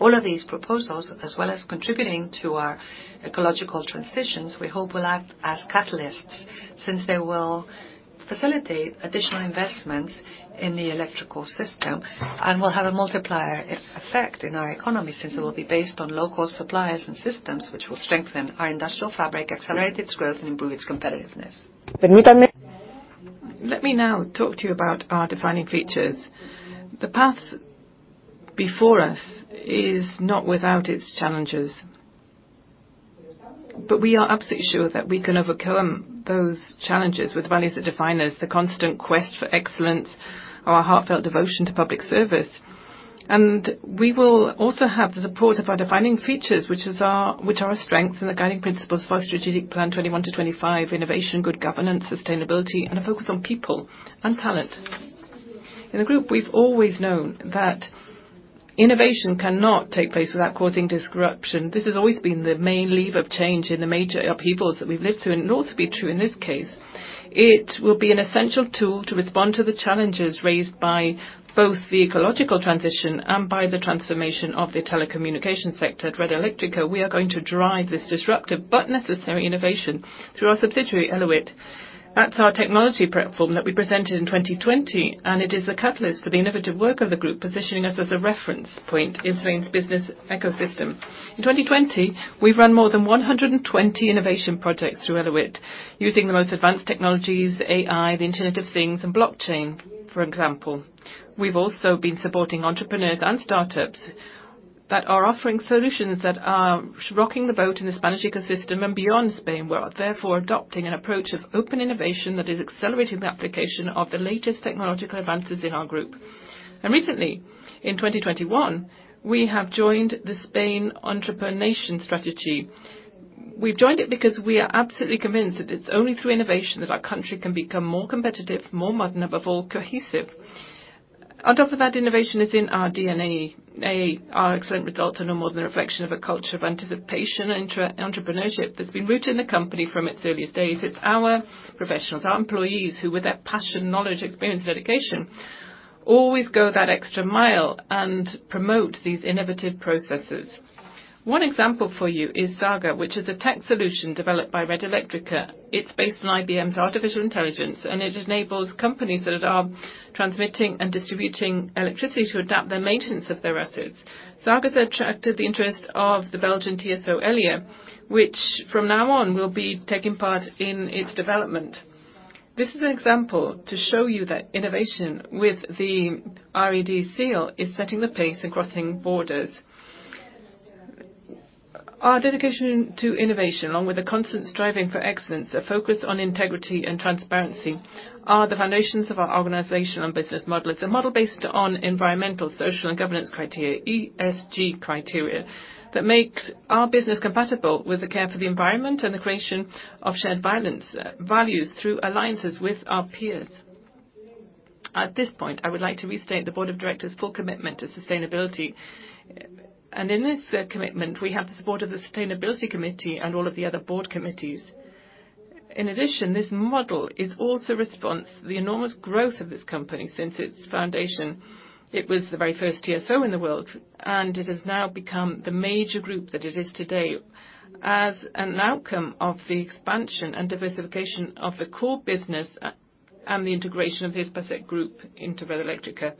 All of these proposals, as well as contributing to our ecological transitions, we hope will act as catalysts since they will facilitate additional investments in the electrical system and will have a multiplier effect in our economy since it will be based on local suppliers and systems, which will strengthen our industrial fabric, accelerate its growth, and improve its competitiveness. Permítanme. Let me now talk to you about our defining features. The path before us is not without its challenges, but we are absolutely sure that we can overcome those challenges with values that define us: the constant quest for excellence, our heartfelt devotion to public service. And we will also have the support of our defining features, which are our strengths and the guiding principles for our strategic plan 21-25: innovation, good governance, sustainability, and a focus on people and talent. In the group, we've always known that innovation cannot take place without causing disruption. This has always been the main lever of change in the major upheavals that we've lived through, and it'll also be true in this case. It will be an essential tool to respond to the challenges raised by both the ecological transition and by the transformation of the telecommunication sector. At Red Eléctrica, we are going to drive this disruptive but necessary innovation through our subsidiary, Elewit. That's our technology platform that we presented in 2020, and it is a catalyst for the innovative work of the group, positioning us as a reference point in Spain's business ecosystem. In 2020, we've run more than 120 innovation projects through Elewit, using the most advanced technologies, AI, the Internet of Things, and blockchain, for example. We've also been supporting entrepreneurs and startups that are offering solutions that are rocking the boat in the Spanish ecosystem and beyond Spain. We're therefore adopting an approach of open innovation that is accelerating the application of the latest technological advances in our group, and recently, in 2021, we have joined the Spain Entrepreneurship Strategy. We've joined it because we are absolutely convinced that it's only through innovation that our country can become more competitive, more modern, and above all, cohesive. On top of that, innovation is in our DNA. Our excellent results are no more than a reflection of a culture of anticipation and entrepreneurship that's been rooted in the company from its earliest days. It's our professionals, our employees, who, with their passion, knowledge, experience, and dedication, always go that extra mile and promote these innovative processes. One example for you is SAGA, which is a tech solution developed by Red Eléctrica. It's based on IBM's artificial intelligence, and it enables companies that are transmitting and distributing electricity to adapt their maintenance of their assets. SAGA has attracted the interest of the Belgian TSO Elia, which, from now on, will be taking part in its development. This is an example to show you that innovation with the RED seal is setting the pace and crossing borders. Our dedication to innovation, along with the constant striving for excellence, a focus on integrity and transparency, are the foundations of our organizational and business model. It's a model based on environmental, social, and governance criteria, ESG criteria, that makes our business compatible with the care for the environment and the creation of shared values through alliances with our peers. At this point, I would like to restate the board of directors' full commitment to sustainability. And in this commitment, we have the support of the Sustainability Committee and all of the other board committees. In addition, this model is also a response to the enormous growth of this company since its foundation. It was the very first TSO in the world, and it has now become the major group that it is today as an outcome of the expansion and diversification of the core business and the integration of Hispasat Group into Red Eléctrica.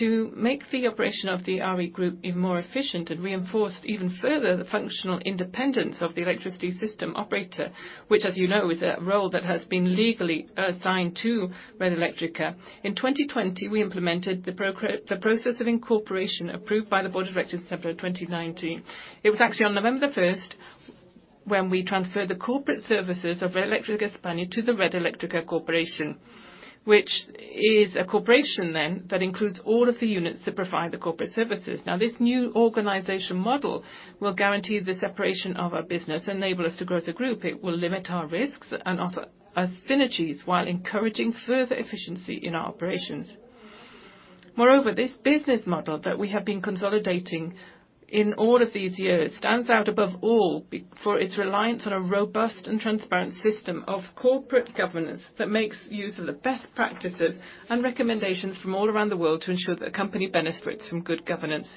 To make the operation of the RE Group even more efficient and reinforce even further the functional independence of the electricity system operator, which, as you know, is a role that has been legally assigned to Red Eléctrica. In 2020, we implemented the process of incorporation approved by the board of directors in September 2019. It was actually on November the 1st when we transferred the corporate services of Red Eléctrica Spain to the Red Eléctrica Corporación, which is a corporation then that includes all of the units that provide the corporate services. Now, this new organization model will guarantee the separation of our business and enable us to grow as a group. It will limit our risks and offer us synergies while encouraging further efficiency in our operations. Moreover, this business model that we have been consolidating in all of these years stands out above all for its reliance on a robust and transparent system of corporate governance that makes use of the best practices and recommendations from all around the world to ensure that a company benefits from good governance.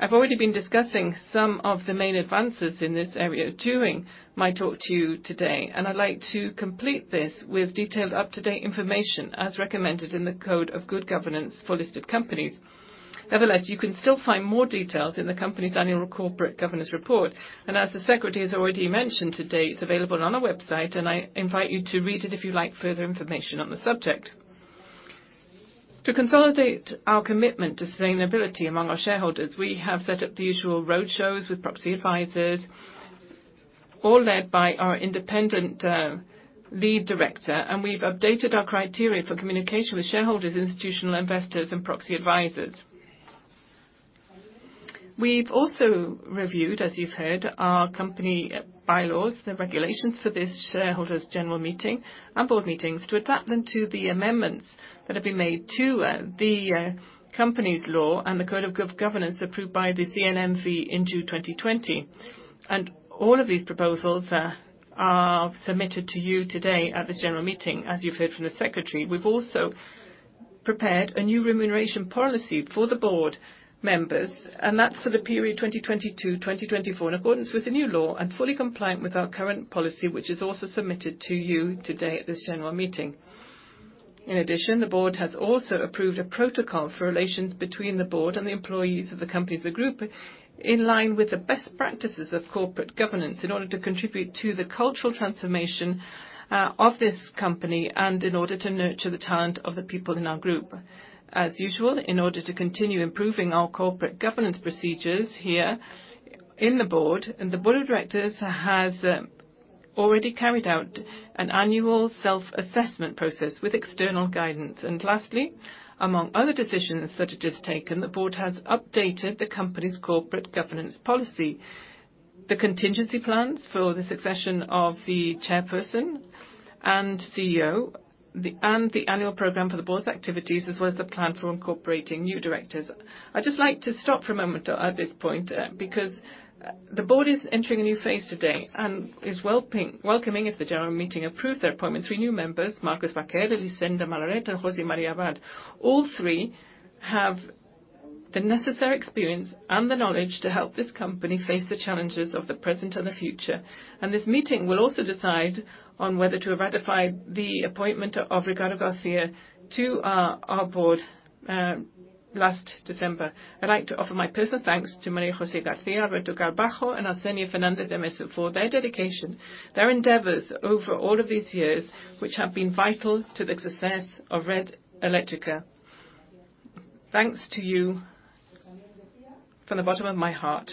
I've already been discussing some of the main advances in this area during my talk to you today, and I'd like to complete this with detailed up-to-date information as recommended in the Code of Good Governance for listed companies. Nevertheless, you can still find more details in the company's Annual Corporate Governance Report. As the secretary has already mentioned today, it's available on our website, and I invite you to read it if you'd like further information on the subject. To consolidate our commitment to sustainability among our shareholders, we have set up the usual roadshows with proxy advisors, all led by our independent lead director, and we've updated our criteria for communication with shareholders, institutional investors, and proxy advisors. We've also reviewed, as you've heard, our company bylaws, the regulations for this shareholders' general meeting and board meetings to adapt them to the amendments that have been made to the company's law and the Code of Good Governance approved by the CNMV in June 2020. All of these proposals are submitted to you today at this general meeting, as you've heard from the secretary. We've also prepared a new remuneration policy for the board members, and that's for the period 2022-2024 in accordance with the new law and fully compliant with our current policy, which is also submitted to you today at this general meeting. In addition, the board has also approved a protocol for relations between the board and the employees of the companies of the group in line with the best practices of corporate governance in order to contribute to the cultural transformation of this company and in order to nurture the talent of the people in our group. As usual, in order to continue improving our corporate governance procedures here in the board, the board of directors has already carried out an annual self-assessment process with external guidance. Lastly, among other decisions that have just taken, the board has updated the company's corporate governance policy, the contingency plans for the succession of the chairperson and CEO, and the annual program for the board's activities, as well as the plan for incorporating new directors. I'd just like to stop for a moment at this point because the board is entering a new phase today and is welcoming, if the general meeting approves their appointments, three new members, Marcos Vaquer, Elisenda Malaret, and José María Abad. All three have the necessary experience and the knowledge to help this company face the challenges of the present and the future. This meeting will also decide on whether to ratify the appointment of Ricardo García to our board last December. I'd like to offer my personal thanks to María José García, Roberto García Merino, and Arsenio Fernández de Mesa for their dedication, their endeavors over all of these years, which have been vital to the success of Red Eléctrica. Thanks to you from the bottom of my heart.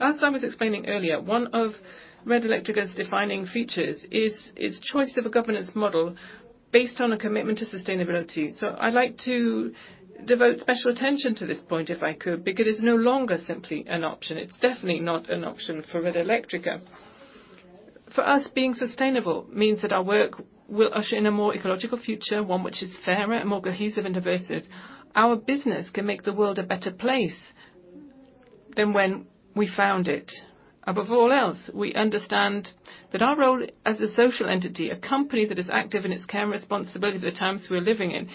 As I was explaining earlier, one of Red Eléctrica's defining features is its choice of a governance model based on a commitment to sustainability. So I'd like to devote special attention to this point, if I could, because it's no longer simply an option. It's definitely not an option for Red Eléctrica. For us, being sustainable means that our work will usher in a more ecological future, one which is fairer and more cohesive and diverse. Our business can make the world a better place than when we found it. Above all else, we understand that our role as a social entity, a company that is active in its care and responsibility for the times we're living in.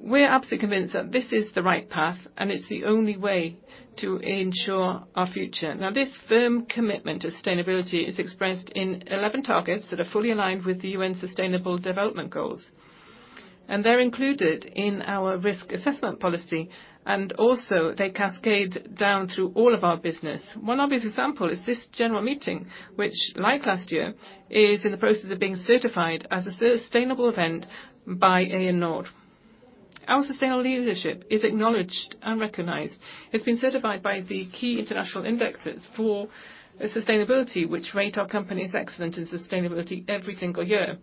We're absolutely convinced that this is the right path, and it's the only way to ensure our future. Now, this firm commitment to sustainability is expressed in 11 targets that are fully aligned with the UN Sustainable Development Goals, and they're included in our risk assessment policy, and also, they cascade down through all of our business. One obvious example is this general meeting, which, like last year, is in the process of being certified as a sustainable event by AENOR. Our sustainable leadership is acknowledged and recognized. It's been certified by the key international indexes for sustainability, which rate our company as excellent in sustainability every single year.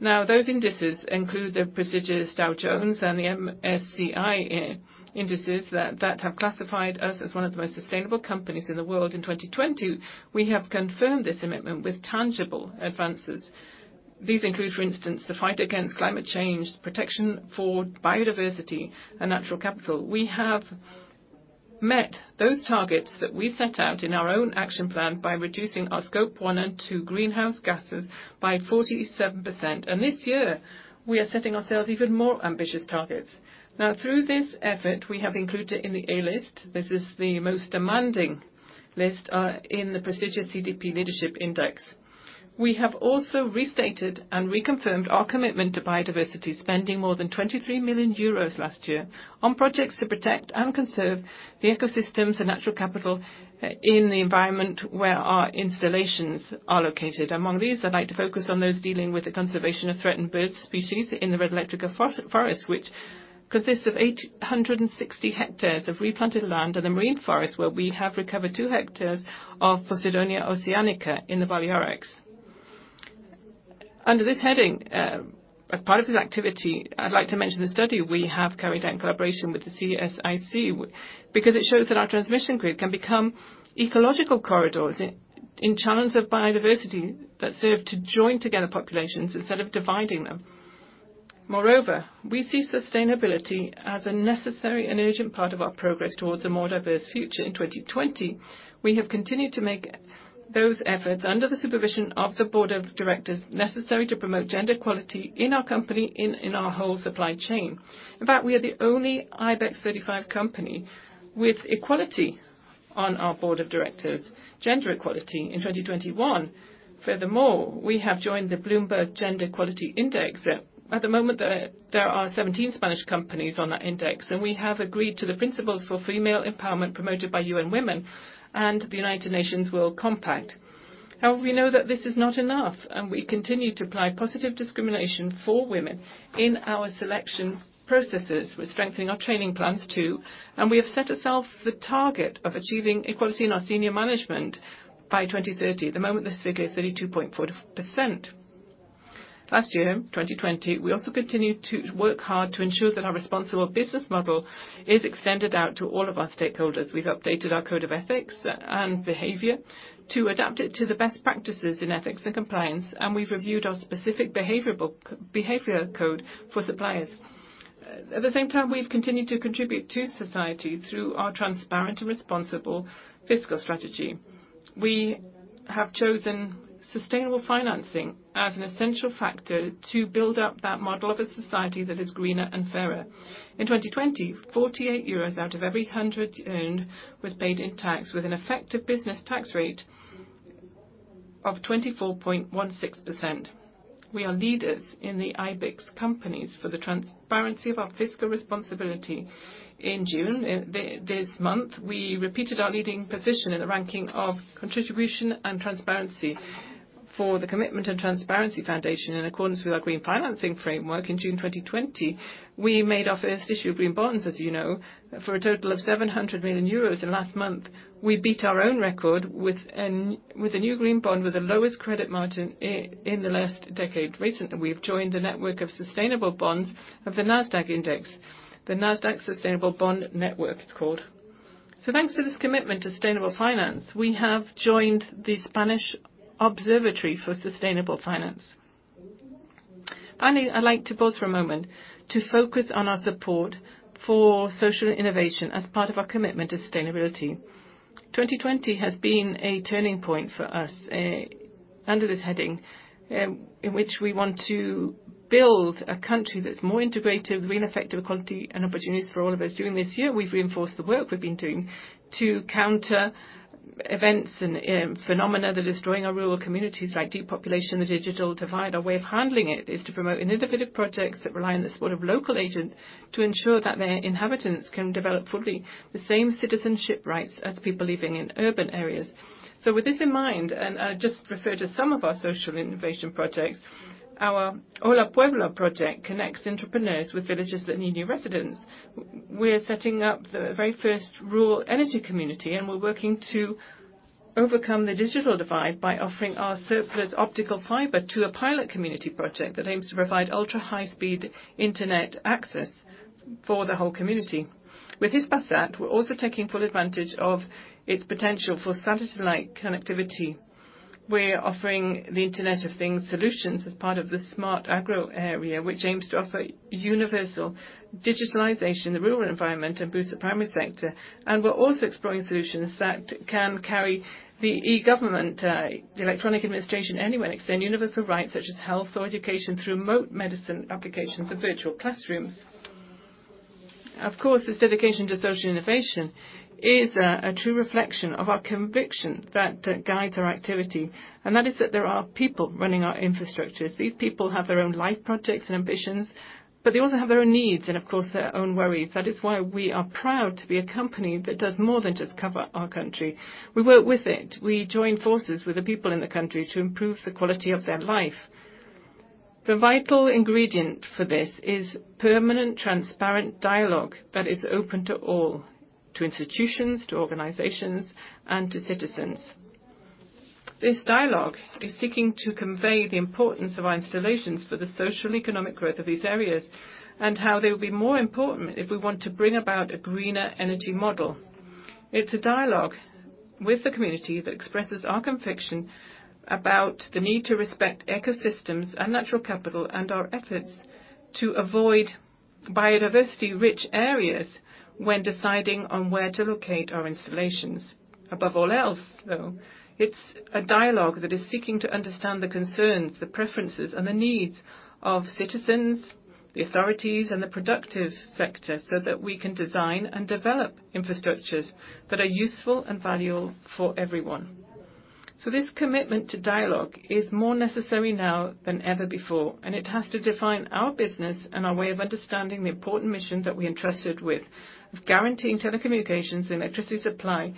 Now, those indices include the prestigious Dow Jones and the MSCI indices that have classified us as one of the most sustainable companies in the world. In 2020, we have confirmed this commitment with tangible advances. These include, for instance, the fight against climate change, protection for biodiversity, and natural capital. We have met those targets that we set out in our own action plan by reducing our Scope 1 and 2 greenhouse gases by 47%, and this year, we are setting ourselves even more ambitious targets. Now, through this effort, we have included it in the A List. This is the most demanding list in the prestigious CDP Leadership Index. We have also restated and reconfirmed our commitment to biodiversity, spending more than 23 million euros last year on projects to protect and conserve the ecosystems and natural capital in the environment where our installations are located. Among these, I'd like to focus on those dealing with the conservation of threatened bird species in the Red Eléctrica Forest, which consists of 860 hectares of replanted land and the Marine Forest, where we have recovered two hectares of Posidonia oceanica in the Balearics. Under this heading, as part of this activity, I'd like to mention the study we have carried out in collaboration with the CSIC because it shows that our transmission grid can become ecological corridors in channels of biodiversity that serve to join together populations instead of dividing them. Moreover, we see sustainability as a necessary and urgent part of our progress towards a more diverse future. In 2020, we have continued to make those efforts under the supervision of the board of directors necessary to promote gender equality in our company and in our whole supply chain. In fact, we are the only IBEX 35 company with equality on our board of directors, gender equality in 2021. Furthermore, we have joined the Bloomberg Gender Equality Index. At the moment, there are 17 Spanish companies on that index, and we have agreed to the principles for female empowerment promoted by UN Women and the United Nations Global Compact. However, we know that this is not enough, and we continue to apply positive discrimination for women in our selection processes. We're strengthening our training plans too, and we have set ourselves the target of achieving equality in our senior management by 2030. At the moment, this figure is 32.4%. Last year, 2020, we also continued to work hard to ensure that our responsible business model is extended out to all of our stakeholders. We've updated our code of ethics and behavior to adapt it to the best practices in ethics and compliance, and we've reviewed our specific behavior code for suppliers. At the same time, we've continued to contribute to society through our transparent and responsible fiscal strategy. We have chosen sustainable financing as an essential factor to build up that model of a society that is greener and fairer. In 2020, 48 euros out of every 100 euros was paid in tax with an effective business tax rate of 24.16%. We are leaders in the IBEX companies for the transparency of our fiscal responsibility. In June this month, we repeated our leading position in the ranking of contribution and transparency for the Commitment and Transparency Foundation in accordance with our green financing framework. In June 2020, we made our first issue of green bonds, as you know, for a total of 700 million euros. In the last month, we beat our own record with a new green bond with the lowest credit margin in the last decade. Recently, we've joined the network of sustainable bonds of the NASDAQ Index, the NASDAQ Sustainable Bond Network, it's called. So thanks to this commitment to sustainable finance, we have joined the Spanish Observatory for Sustainable Finance. Finally, I'd like to pause for a moment to focus on our support for social innovation as part of our commitment to sustainability. 2020 has been a turning point for us under this heading in which we want to build a country that's more integrated with real effective equality and opportunities for all of us. During this year, we've reinforced the work we've been doing to counter events and phenomena that are destroying our rural communities like depopulation and the digital divide. Our way of handling it is to promote innovative projects that rely on the support of local agents to ensure that their inhabitants can develop fully the same citizenship rights as people living in urban areas. So with this in mind, and I just refer to some of our social innovation projects, our Holapueblo project connects entrepreneurs with villages that need new residents. We're setting up the very first rural energy community, and we're working to overcome the digital divide by offering our surplus optical fiber to a pilot community project that aims to provide ultra-high-speed internet access for the whole community. With Hispasat, we're also taking full advantage of its potential for satellite connectivity. We're offering the Internet of Things solutions as part of the Smart Agro area, which aims to offer universal digitalization in the rural environment and boost the primary sector. And we're also exploring solutions that can carry the e-government, the electronic administration anywhere, and extend universal rights such as health or education through remote medicine applications and virtual classrooms. Of course, this dedication to social innovation is a true reflection of our conviction that guides our activity, and that is that there are people running our infrastructures. These people have their own life projects and ambitions, but they also have their own needs and, of course, their own worries. That is why we are proud to be a company that does more than just cover our country. We work with it. We join forces with the people in the country to improve the quality of their life. The vital ingredient for this is permanent, transparent dialogue that is open to all, to institutions, to organizations, and to citizens. This dialogue is seeking to convey the importance of our installations for the social economic growth of these areas and how they will be more important if we want to bring about a greener energy model. It's a dialogue with the community that expresses our conviction about the need to respect ecosystems and natural capital and our efforts to avoid biodiversity-rich areas when deciding on where to locate our installations. Above all else, though, it's a dialogue that is seeking to understand the concerns, the preferences, and the needs of citizens, the authorities, and the productive sector so that we can design and develop infrastructures that are useful and valuable for everyone. So this commitment to dialogue is more necessary now than ever before, and it has to define our business and our way of understanding the important mission that we are entrusted with of guaranteeing telecommunications and electricity supply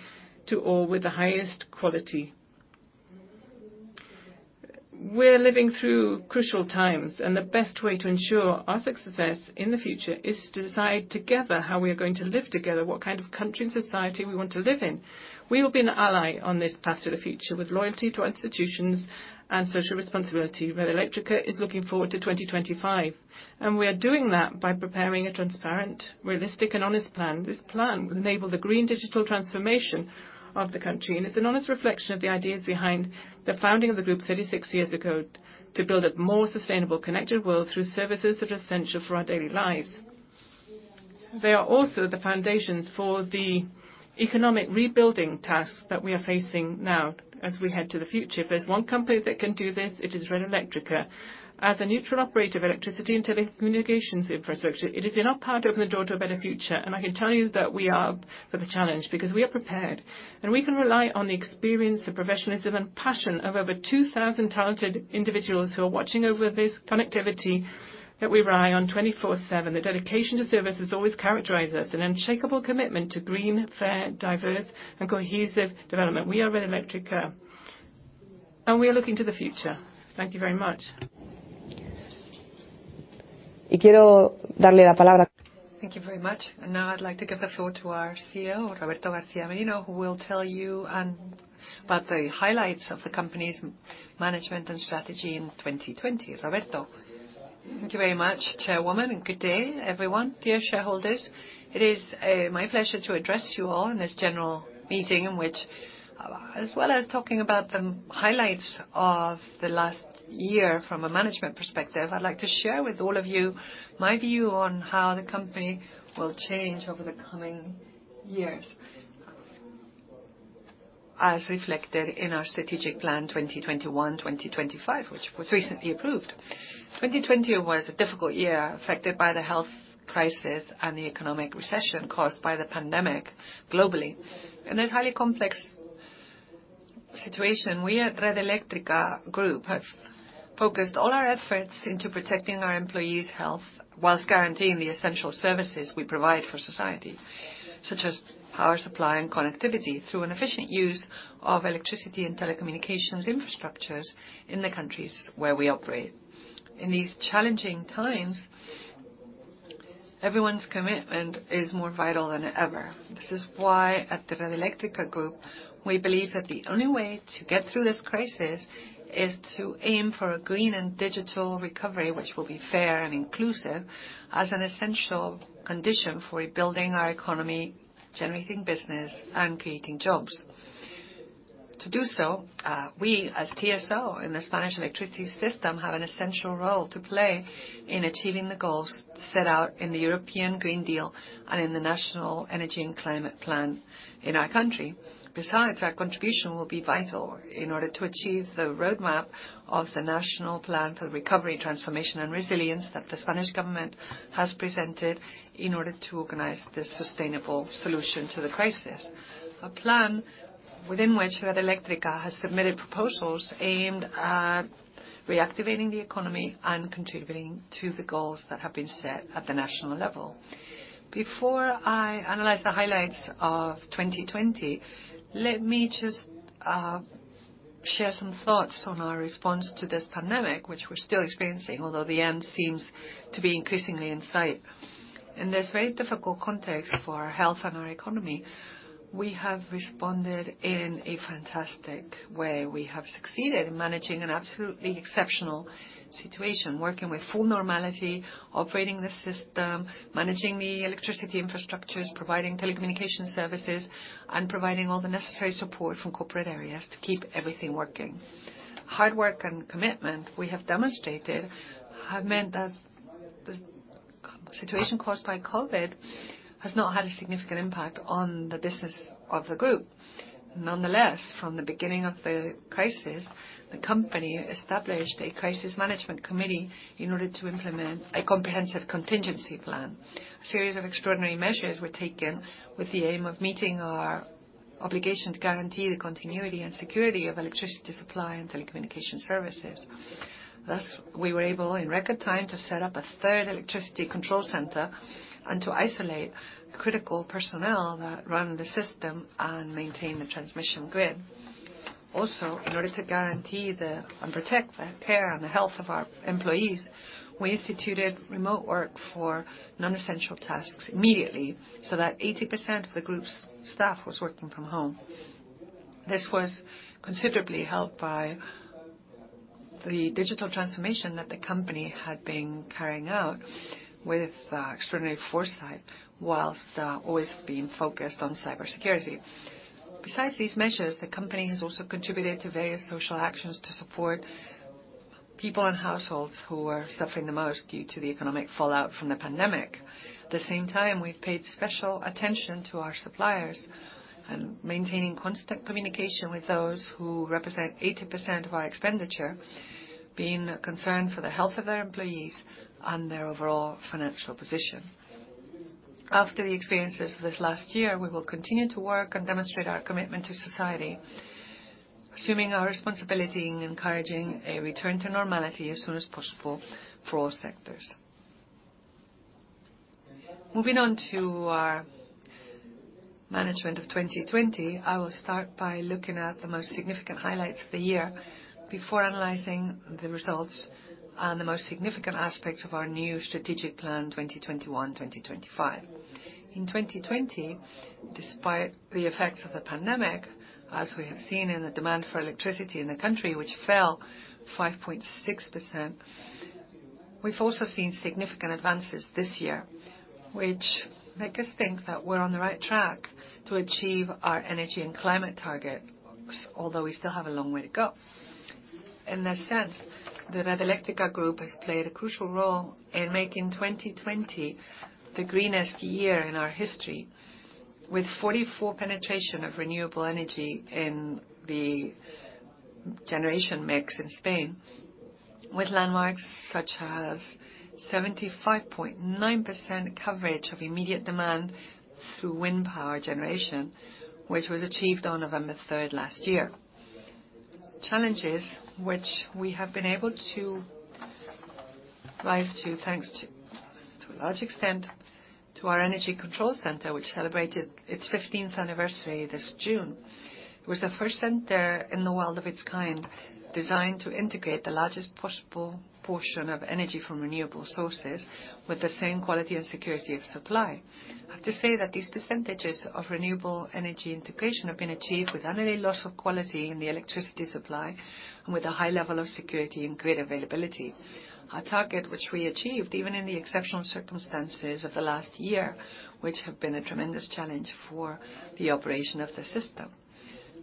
to all with the highest quality. We're living through crucial times, and the best way to ensure our success in the future is to decide together how we are going to live together, what kind of country and society we want to live in. We will be an ally on this path to the future with loyalty to our institutions and social responsibility. Red Eléctrica is looking forward to 2025, and we are doing that by preparing a transparent, realistic, and honest plan. This plan will enable the green digital transformation of the country, and it's an honest reflection of the ideas behind the founding of the group 36 years ago to build a more sustainable, connected world through services that are essential for our daily lives. They are also the foundations for the economic rebuilding task that we are facing now as we head to the future. If there's one company that can do this, it is Red Eléctrica. As a neutral operator of electricity and telecommunications infrastructure, it is in our part to open the door to a better future. I can tell you that we are for the challenge because we are prepared, and we can rely on the experience, the professionalism, and passion of over 2,000 talented individuals who are watching over this connectivity that we rely on 24/7. The dedication to service has always characterized us, an unshakable commitment to green, fair, diverse, and cohesive development. We are Red Eléctrica, and we are looking to the future. Thank you very much. Y quiero darle la palabra. Thank you very much. And now I'd like to give the floor to our CEO, Roberto García Merino, who will tell you about the highlights of the company's management and strategy in 2020. Roberto, thank you very much, Chairwoman. Good day, everyone. Dear shareholders, it is my pleasure to address you all in this general meeting in which, as well as talking about the highlights of the last year from a management perspective, I'd like to share with all of you my view on how the company will change over the coming years as reflected in our strategic plan 2021-2025, which was recently approved. 2020 was a difficult year affected by the health crisis and the economic recession caused by the pandemic globally. In this highly complex situation, we at Red Eléctrica Group have focused all our efforts into protecting our employees' health while guaranteeing the essential services we provide for society, such as power supply and connectivity, through an efficient use of electricity and telecommunications infrastructures in the countries where we operate. In these challenging times, everyone's commitment is more vital than ever. This is why at the Red Eléctrica Group, we believe that the only way to get through this crisis is to aim for a green and digital recovery, which will be fair and inclusive as an essential condition for rebuilding our economy, generating business, and creating jobs. To do so, we as TSO in the Spanish electricity system have an essential role to play in achieving the goals set out in the European Green Deal and in the National Energy and Climate Plan in our country. Besides, our contribution will be vital in order to achieve the roadmap of the National Plan for Recovery, Transformation, and Resilience that the Spanish government has presented in order to organize this sustainable solution to the crisis. A plan within which Red Eléctrica has submitted proposals aimed at reactivating the economy and contributing to the goals that have been set at the national level. Before I analyze the highlights of 2020, let me just share some thoughts on our response to this pandemic, which we're still experiencing, although the end seems to be increasingly in sight. In this very difficult context for our health and our economy, we have responded in a fantastic way. We have succeeded in managing an absolutely exceptional situation, working with full normality, operating the system, managing the electricity infrastructures, providing telecommunication services, and providing all the necessary support from corporate areas to keep everything working. Hard work and commitment we have demonstrated have meant that the situation caused by COVID has not had a significant impact on the business of the group. Nonetheless, from the beginning of the crisis, the company established a crisis management committee in order to implement a comprehensive contingency plan. A series of extraordinary measures were taken with the aim of meeting our obligation to guarantee the continuity and security of electricity supply and telecommunication services. Thus, we were able in record time to set up a third electricity control center and to isolate critical personnel that run the system and maintain the transmission grid. Also, in order to guarantee and protect the care and health of our employees, we instituted remote work for non-essential tasks immediately so that 80% of the group's staff was working from home. This was considerably helped by the digital transformation that the company had been carrying out with extraordinary foresight whilst always being focused on cybersecurity. Besides these measures, the company has also contributed to various social actions to support people and households who are suffering the most due to the economic fallout from the pandemic. At the same time, we've paid special attention to our suppliers and maintaining constant communication with those who represent 80% of our expenditure, being concerned for the health of their employees and their overall financial position. After the experiences of this last year, we will continue to work and demonstrate our commitment to society, assuming our responsibility in encouraging a return to normality as soon as possible for all sectors. Moving on to our management of 2020, I will start by looking at the most significant highlights of the year before analyzing the results and the most significant aspects of our new strategic plan 2021-2025. In 2020, despite the effects of the pandemic, as we have seen in the demand for electricity in the country, which fell 5.6%, we've also seen significant advances this year, which makes us think that we're on the right track to achieve our energy and climate targets, although we still have a long way to go. In this sense, the Red Eléctrica Group has played a crucial role in making 2020 the greenest year in our history, with 44% penetration of renewable energy in the generation mix in Spain, with landmarks such as 75.9% coverage of immediate demand through wind power generation, which was achieved on November 3rd last year. Challenges which we have been able to rise to, thanks to a large extent to our energy control center, which celebrated its 15th anniversary this June. It was the first center in the world of its kind designed to integrate the largest possible portion of energy from renewable sources with the same quality and security of supply. I have to say that these percentages of renewable energy integration have been achieved with unrelated loss of quality in the electricity supply and with a high level of security and grid availability. Our target, which we achieved even in the exceptional circumstances of the last year, which have been a tremendous challenge for the operation of the system.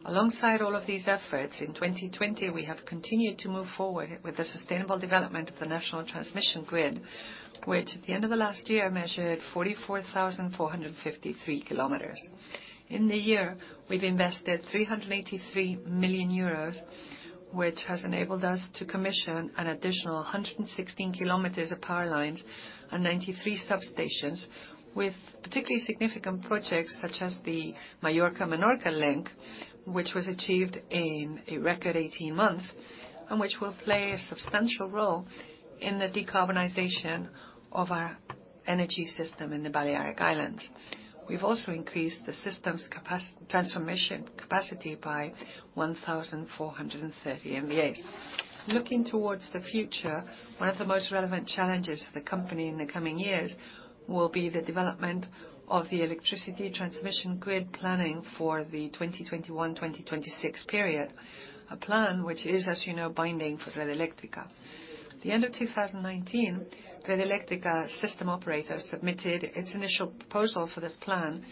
Alongside all of these efforts, in 2020, we have continued to move forward with the sustainable development of the national transmission grid, which at the end of the last year measured 44,453 km. In the year, we've invested 383 million euros, which has enabled us to commission an additional 116 km of power lines and 93 substations, with particularly significant projects such as the Mallorca-Menorca link, which was achieved in a record 18 months and which will play a substantial role in the decarbonization of our energy system in the Balearic Islands. We've also increased the system's transformation capacity by 1,430 MVAs. Looking towards the future, one of the most relevant challenges for the company in the coming years will be the development of the electricity transmission grid planning for the 2021-2026 period, a plan which is, as you know, binding for Red Eléctrica. At the end of 2019, Red Eléctrica system operators submitted its initial proposal for this plan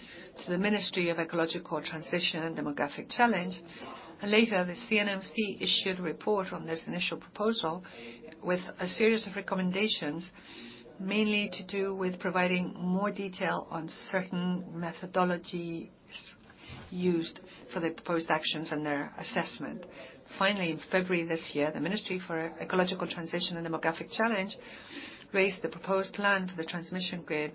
to the Ministry of Ecological Transition and Demographic Challenge, and later the CNMC issued a report on this initial proposal with a series of recommendations mainly to do with providing more detail on certain methodologies used for the proposed actions and their assessment. Finally, in February this year, the Ministry for Ecological Transition and Demographic Challenge raised the proposed plan for the transmission grid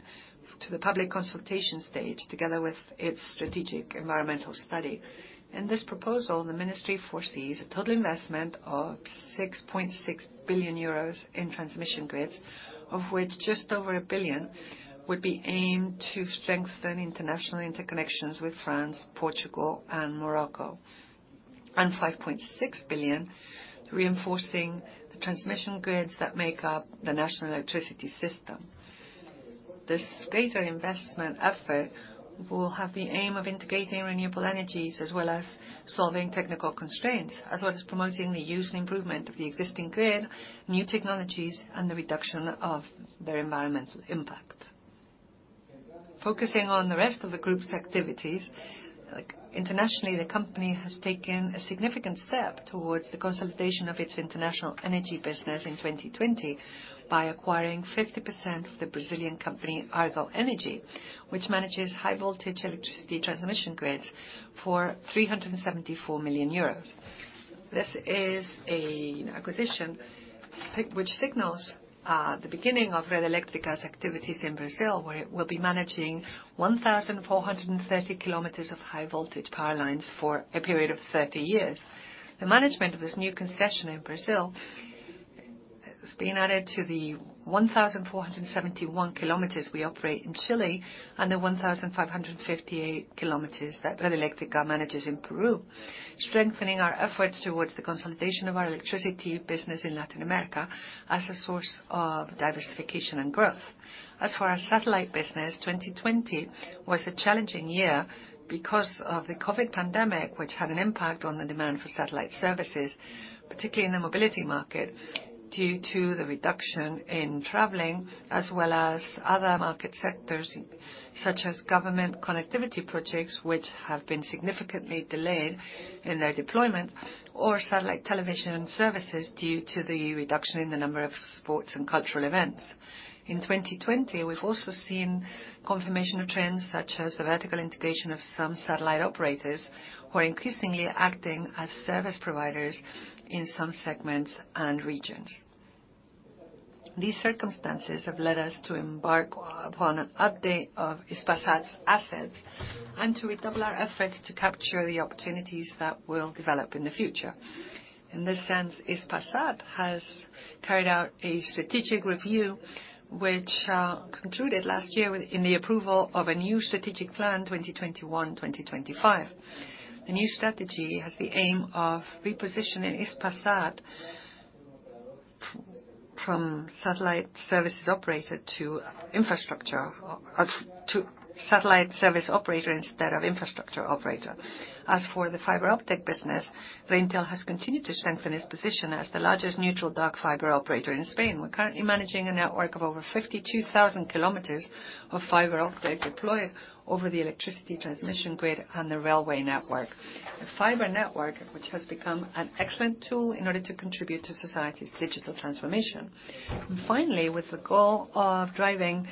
to the public consultation stage together with its strategic environmental study. In this proposal, the Ministry foresees a total investment of 6.6 billion euros in transmission grids, of which just over a billion would be aimed to strengthen international interconnections with France, Portugal, and Morocco, and 5.6 billion reinforcing the transmission grids that make up the national electricity system. This greater investment effort will have the aim of integrating renewable energies as well as solving technical constraints, as well as promoting the use and improvement of the existing grid, new technologies, and the reduction of their environmental impact. Focusing on the rest of the group's activities, internationally, the company has taken a significant step towards the consolidation of its international energy business in 2020 by acquiring 50% of the Brazilian company Argo Energia, which manages high-voltage electricity transmission grids for 374 million euros. This is an acquisition which signals the beginning of Red Eléctrica's activities in Brazil, where it will be managing 1,430 kilometers of high-voltage power lines for a period of 30 years. The management of this new concession in Brazil is being added to the 1,471 kilometers we operate in Chile and the 1,558 kilometers that Red Eléctrica manages in Peru, strengthening our efforts towards the consolidation of our electricity business in Latin America as a source of diversification and growth. As for our satellite business, 2020 was a challenging year because of the COVID pandemic, which had an impact on the demand for satellite services, particularly in the mobility market due to the reduction in traveling, as well as other market sectors such as government connectivity projects, which have been significantly delayed in their deployment, or satellite television services due to the reduction in the number of sports and cultural events. In 2020, we've also seen confirmation of trends such as the vertical integration of some satellite operators who are increasingly acting as service providers in some segments and regions. These circumstances have led us to embark upon an update of Hispasat's assets and to redouble our efforts to capture the opportunities that will develop in the future. In this sense, Hispasat has carried out a strategic review, which concluded last year in the approval of a new strategic plan 2021-2025. The new strategy has the aim of repositioning Hispasat from infrastructure operator to satellite service operator. As for the fiber optic business, Reintel has continued to strengthen its position as the largest neutral dark fiber operator in Spain. We're currently managing a network of over 52,000 kilometers of fiber optic deployed over the electricity transmission grid and the railway network, a fiber network which has become an excellent tool in order to contribute to society's digital transformation. Finally, with the goal of driving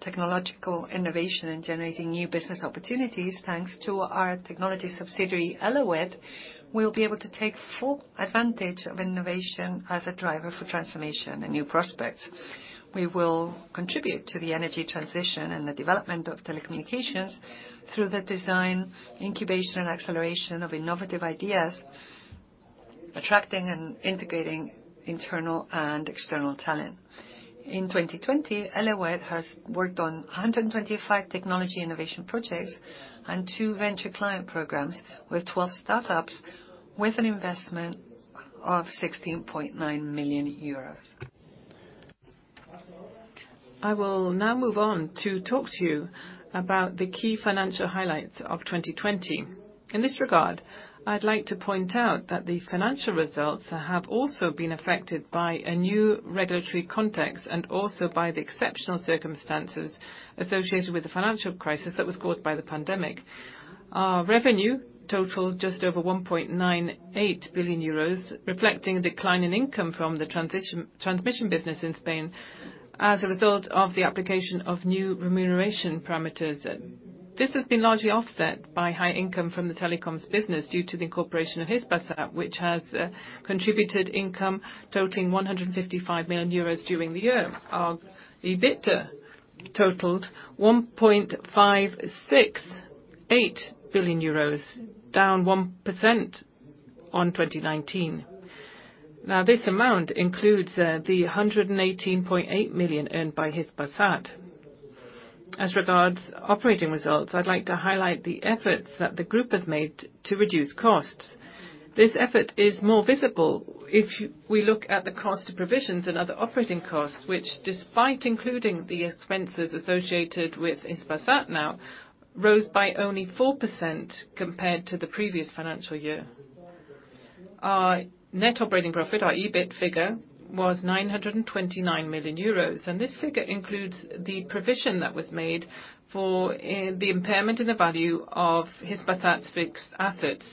technological innovation and generating new business opportunities, thanks to our technology subsidiary Elewit, we'll be able to take full advantage of innovation as a driver for transformation and new prospects. We will contribute to the energy transition and the development of telecommunications through the design, incubation, and acceleration of innovative ideas, attracting and integrating internal and external talent. In 2020, Elewit has worked on 125 technology innovation projects and two venture client programs with 12 startups with an investment of EUR 16.9 million. I will now move on to talk to you about the key financial highlights of 2020. In this regard, I'd like to point out that the financial results have also been affected by a new regulatory context and also by the exceptional circumstances associated with the financial crisis that was caused by the pandemic. Our revenue totaled just over 1.98 billion euros, reflecting a decline in income from the transmission business in Spain as a result of the application of new remuneration parameters. This has been largely offset by high income from the telecoms business due to the incorporation of Hispasat, which has contributed income totaling 155 million euros during the year. The EBITDA totaled 1.568 billion euros, down 1% on 2019. Now, this amount includes the 118.8 million earned by Hispasat. As regards operating results, I'd like to highlight the efforts that the group has made to reduce costs. This effort is more visible if we look at the cost of provisions and other operating costs, which, despite including the expenses associated with Hispasat now, rose by only 4% compared to the previous financial year. Our net operating profit, our EBIT figure, was 929 million euros, and this figure includes the provision that was made for the impairment in the value of Hispasat's fixed assets,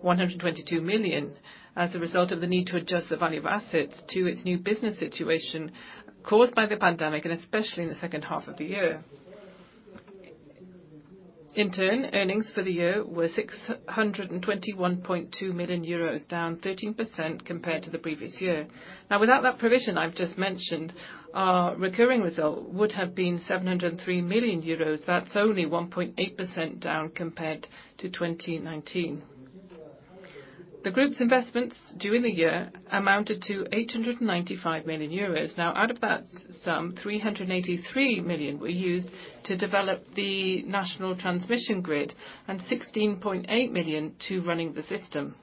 122 million, as a result of the need to adjust the value of assets to its new business situation caused by the pandemic, and especially in the second half of the year. In turn, earnings for the year were 621.2 million euros, down 13% compared to the previous year. Now, without that provision I've just mentioned, our recurring result would have been 703 million euros. That's only 1.8% down compared to 2019. The group's investments during the year amounted to 895 million euros. Now, out of that sum, 383 million were used to develop the national transmission grid and 16.8 million to running the system.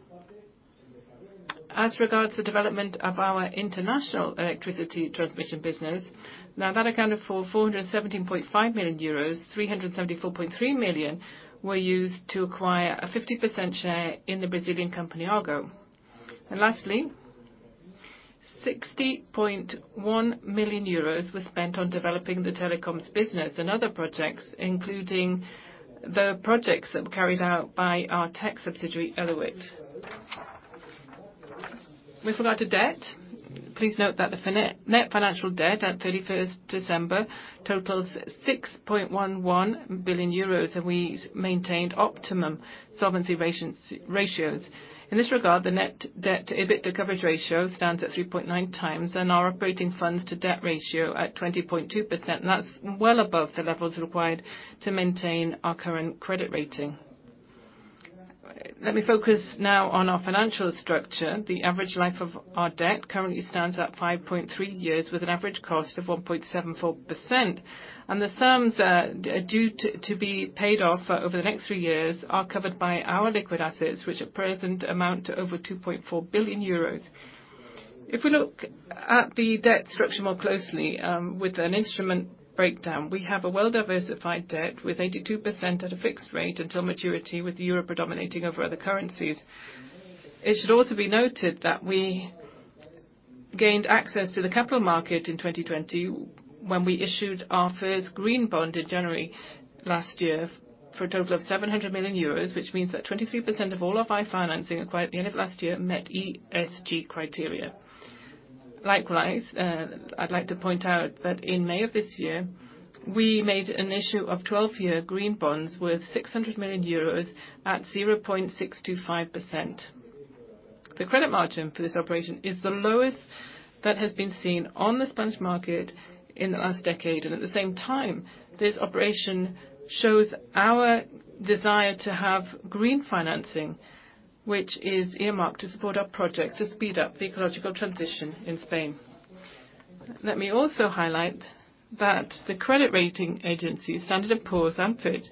As regards the development of our international electricity transmission business, now that accounted for 417.5 million euros, 374.3 million were used to acquire a 50% share in the Brazilian company Argo. And lastly, 60.1 million euros were spent on developing the telecoms business and other projects, including the projects that were carried out by our tech subsidiary Elewit. With regard to debt, please note that the net financial debt at 31st December totals 6.11 billion euros, and we maintained optimum solvency ratios. In this regard, the net debt to EBITDA coverage ratio stands at 3.9 times and our operating funds to debt ratio at 20.2%. That's well above the levels required to maintain our current credit rating. Let me focus now on our financial structure. The average life of our debt currently stands at 5.3 years, with an average cost of 1.74%. And the sums due to be paid off over the next three years are covered by our liquid assets, which at present amount to over 2.4 billion euros. If we look at the debt structure more closely with an instrument breakdown, we have a well-diversified debt with 82% at a fixed rate until maturity, with the euro predominating over other currencies. It should also be noted that we gained access to the capital market in 2020 when we issued our first green bond in January last year for a total of 700 million euros, which means that 23% of all of our financing acquired at the end of last year met ESG criteria. Likewise, I'd like to point out that in May of this year, we made an issue of 12-year green bonds with 600 million euros at 0.625%. The credit margin for this operation is the lowest that has been seen on the Spanish market in the last decade, and at the same time, this operation shows our desire to have green financing, which is earmarked to support our projects to speed up the ecological transition in Spain. Let me also highlight that the credit rating agency, Standard & Poor's, affirmed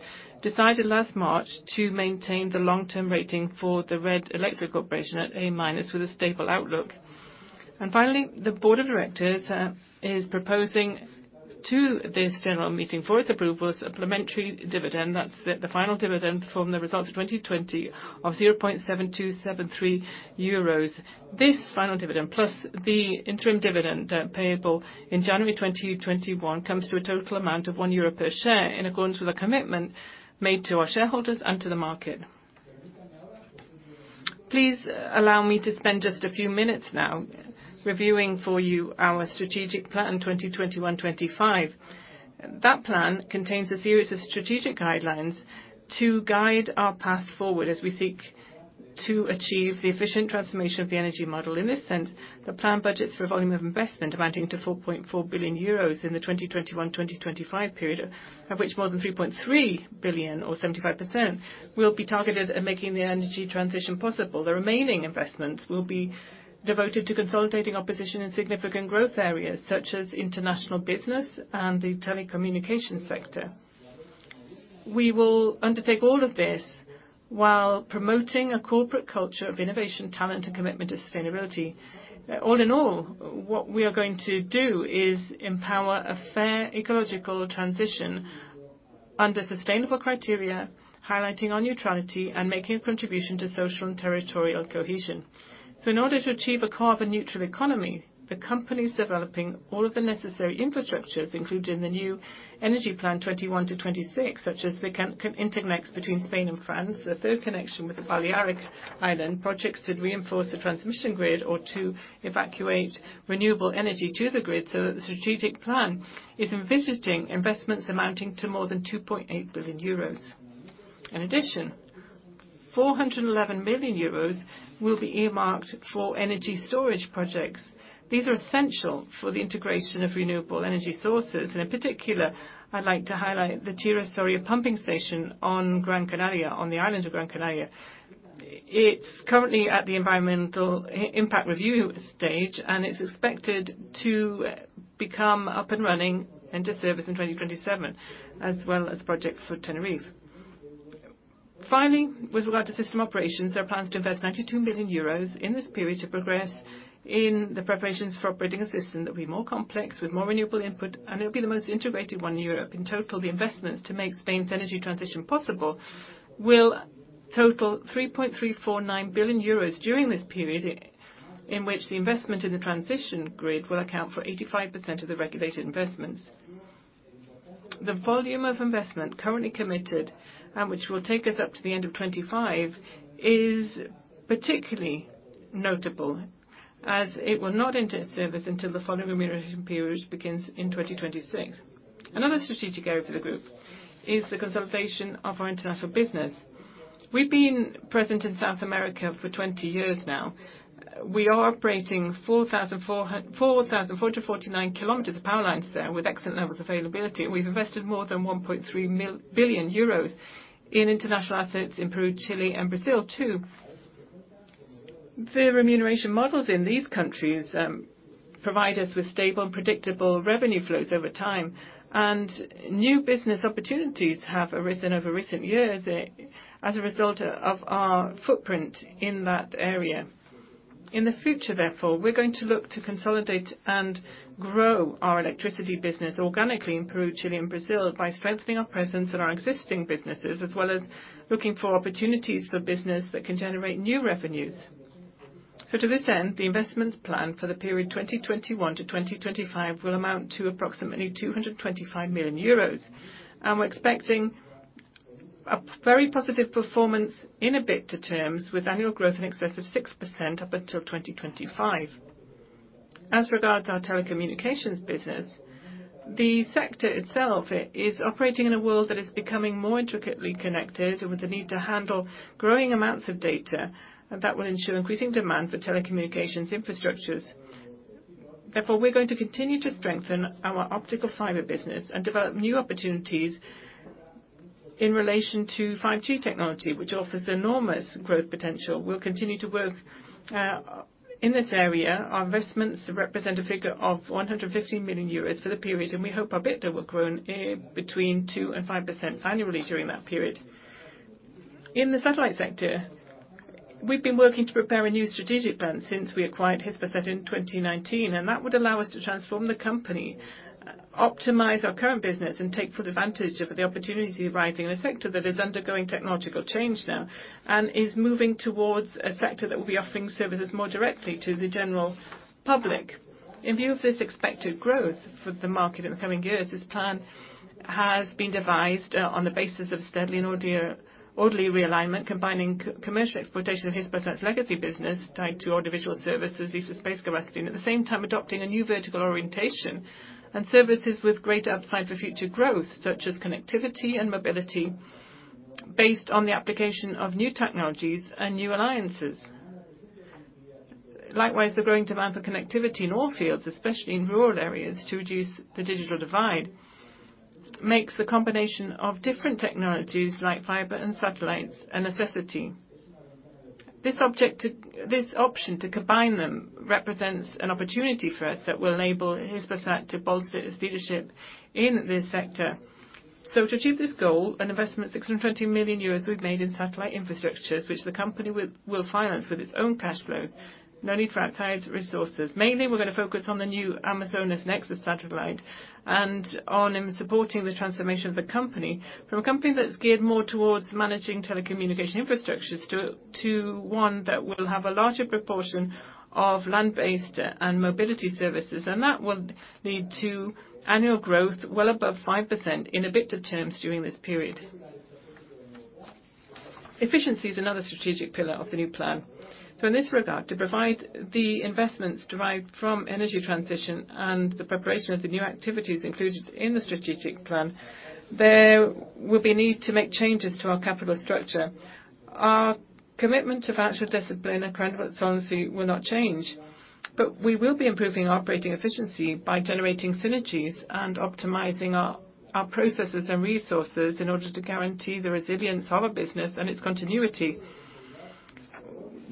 last March to maintain the long-term rating for the Red Eléctrica operation at A minus with a stable outlook, and finally, the board of directors is proposing to this general meeting for its approvals a preliminary dividend. That's the final dividend from the results of 2020 of 0.7273 euros. This final dividend, plus the interim dividend payable in January 2021, comes to a total amount of 1 euro per share in accordance with the commitment made to our shareholders and to the market. Please allow me to spend just a few minutes now reviewing for you our strategic plan 2021-2025. That plan contains a series of strategic guidelines to guide our path forward as we seek to achieve the efficient transformation of the energy model. In this sense, the plan budgets for volume of investment amounting to 4.4 billion euros in the 2021-2025 period, of which more than 3.3 billion, or 75%, will be targeted at making the energy transition possible. The remaining investments will be devoted to consolidating position in significant growth areas such as international business and the telecommunication sector. We will undertake all of this while promoting a corporate culture of innovation, talent, and commitment to sustainability. All in all, what we are going to do is empower a fair ecological transition under sustainable criteria, highlighting our neutrality and making a contribution to social and territorial cohesion. In order to achieve a carbon-neutral economy, the company is developing all of the necessary infrastructures, including the new energy plan 2021 to 2026, such as the interconnects between Spain and France, the third connection with the Balearic Islands projects to reinforce the transmission grid or to evacuate renewable energy to the grid, so that the strategic plan is envisaging investments amounting to more than 2.8 billion euros. In addition, 411 million euros will be earmarked for energy storage projects. These are essential for the integration of renewable energy sources. In particular, I'd like to highlight the Salto de Chira pumping station on Gran Canaria, on the island of Gran Canaria. It's currently at the environmental impact review stage, and it's expected to become up and running and to service in 2027, as well as a project for Tenerife. Finally, with regard to system operations, there are plans to invest 92 million euros in this period to progress in the preparations for operating a system that will be more complex, with more renewable input, and it will be the most integrated one in Europe. In total, the investments to make Spain's energy transition possible will total 3.349 billion euros during this period, in which the investment in the transition grid will account for 85% of the regulated investments. The volume of investment currently committed, which will take us up to the end of 2025, is particularly notable as it will not enter service until the following remuneration period begins in 2026. Another strategic area for the group is the consolidation of our international business. We've been present in South America for 20 years now. We are operating 4,449 kilometers of power lines there with excellent levels of availability. We've invested more than 1.3 billion euros in international assets in Peru, Chile, and Brazil, too. The remuneration models in these countries provide us with stable and predictable revenue flows over time, and new business opportunities have arisen over recent years as a result of our footprint in that area. In the future, therefore, we're going to look to consolidate and grow our electricity business organically in Peru, Chile, and Brazil by strengthening our presence in our existing businesses, as well as looking for opportunities for business that can generate new revenues. So, to this end, the investments planned for the period 2021 to 2025 will amount to approximately 225 million euros, and we're expecting a very positive performance in EBITDA terms with annual growth in excess of 6% up until 2025. As regards our telecommunications business, the sector itself is operating in a world that is becoming more intricately connected with the need to handle growing amounts of data that will ensure increasing demand for telecommunications infrastructures. Therefore, we're going to continue to strengthen our optical fiber business and develop new opportunities in relation to 5G technology, which offers enormous growth potential. We'll continue to work in this area. Our investments represent a figure of 115 million euros for the period, and we hope our EBITDA will grow between 2 and 5% annually during that period. In the satellite sector, we've been working to prepare a new strategic plan since we acquired Hispasat in 2019, and that would allow us to transform the company, optimize our current business, and take full advantage of the opportunities arising in a sector that is undergoing technological change now and is moving towards a sector that will be offering services more directly to the general public. In view of this expected growth for the market in the coming years, this plan has been devised on the basis of a steady and orderly realignment, combining commercial exploitation of Hispasat's legacy business tied to audiovisual services via broadcasting, at the same time adopting a new vertical orientation and services with greater upside for future growth, such as connectivity and mobility based on the application of new technologies and new alliances. Likewise, the growing demand for connectivity in all fields, especially in rural areas, to reduce the digital divide makes the combination of different technologies like fiber and satellites a necessity. This option to combine them represents an opportunity for us that will enable Hispasat to bolster its leadership in this sector. So, to achieve this goal, an investment of 620 million euros we've made in satellite infrastructures, which the company will finance with its own cash flows, no need for outside resources. Mainly, we're going to focus on the new Amazonas Nexus satellite and on supporting the transformation of the company from a company that's geared more towards managing telecommunication infrastructures to one that will have a larger proportion of land-based and mobility services, and that will lead to annual growth well above 5% in EBITDA terms during this period. Efficiency is another strategic pillar of the new plan. In this regard, to provide the investments derived from energy transition and the preparation of the new activities included in the strategic plan, there will be a need to make changes to our capital structure. Our commitment to financial discipline and credible solvency will not change, but we will be improving operating efficiency by generating synergies and optimizing our processes and resources in order to guarantee the resilience of our business and its continuity.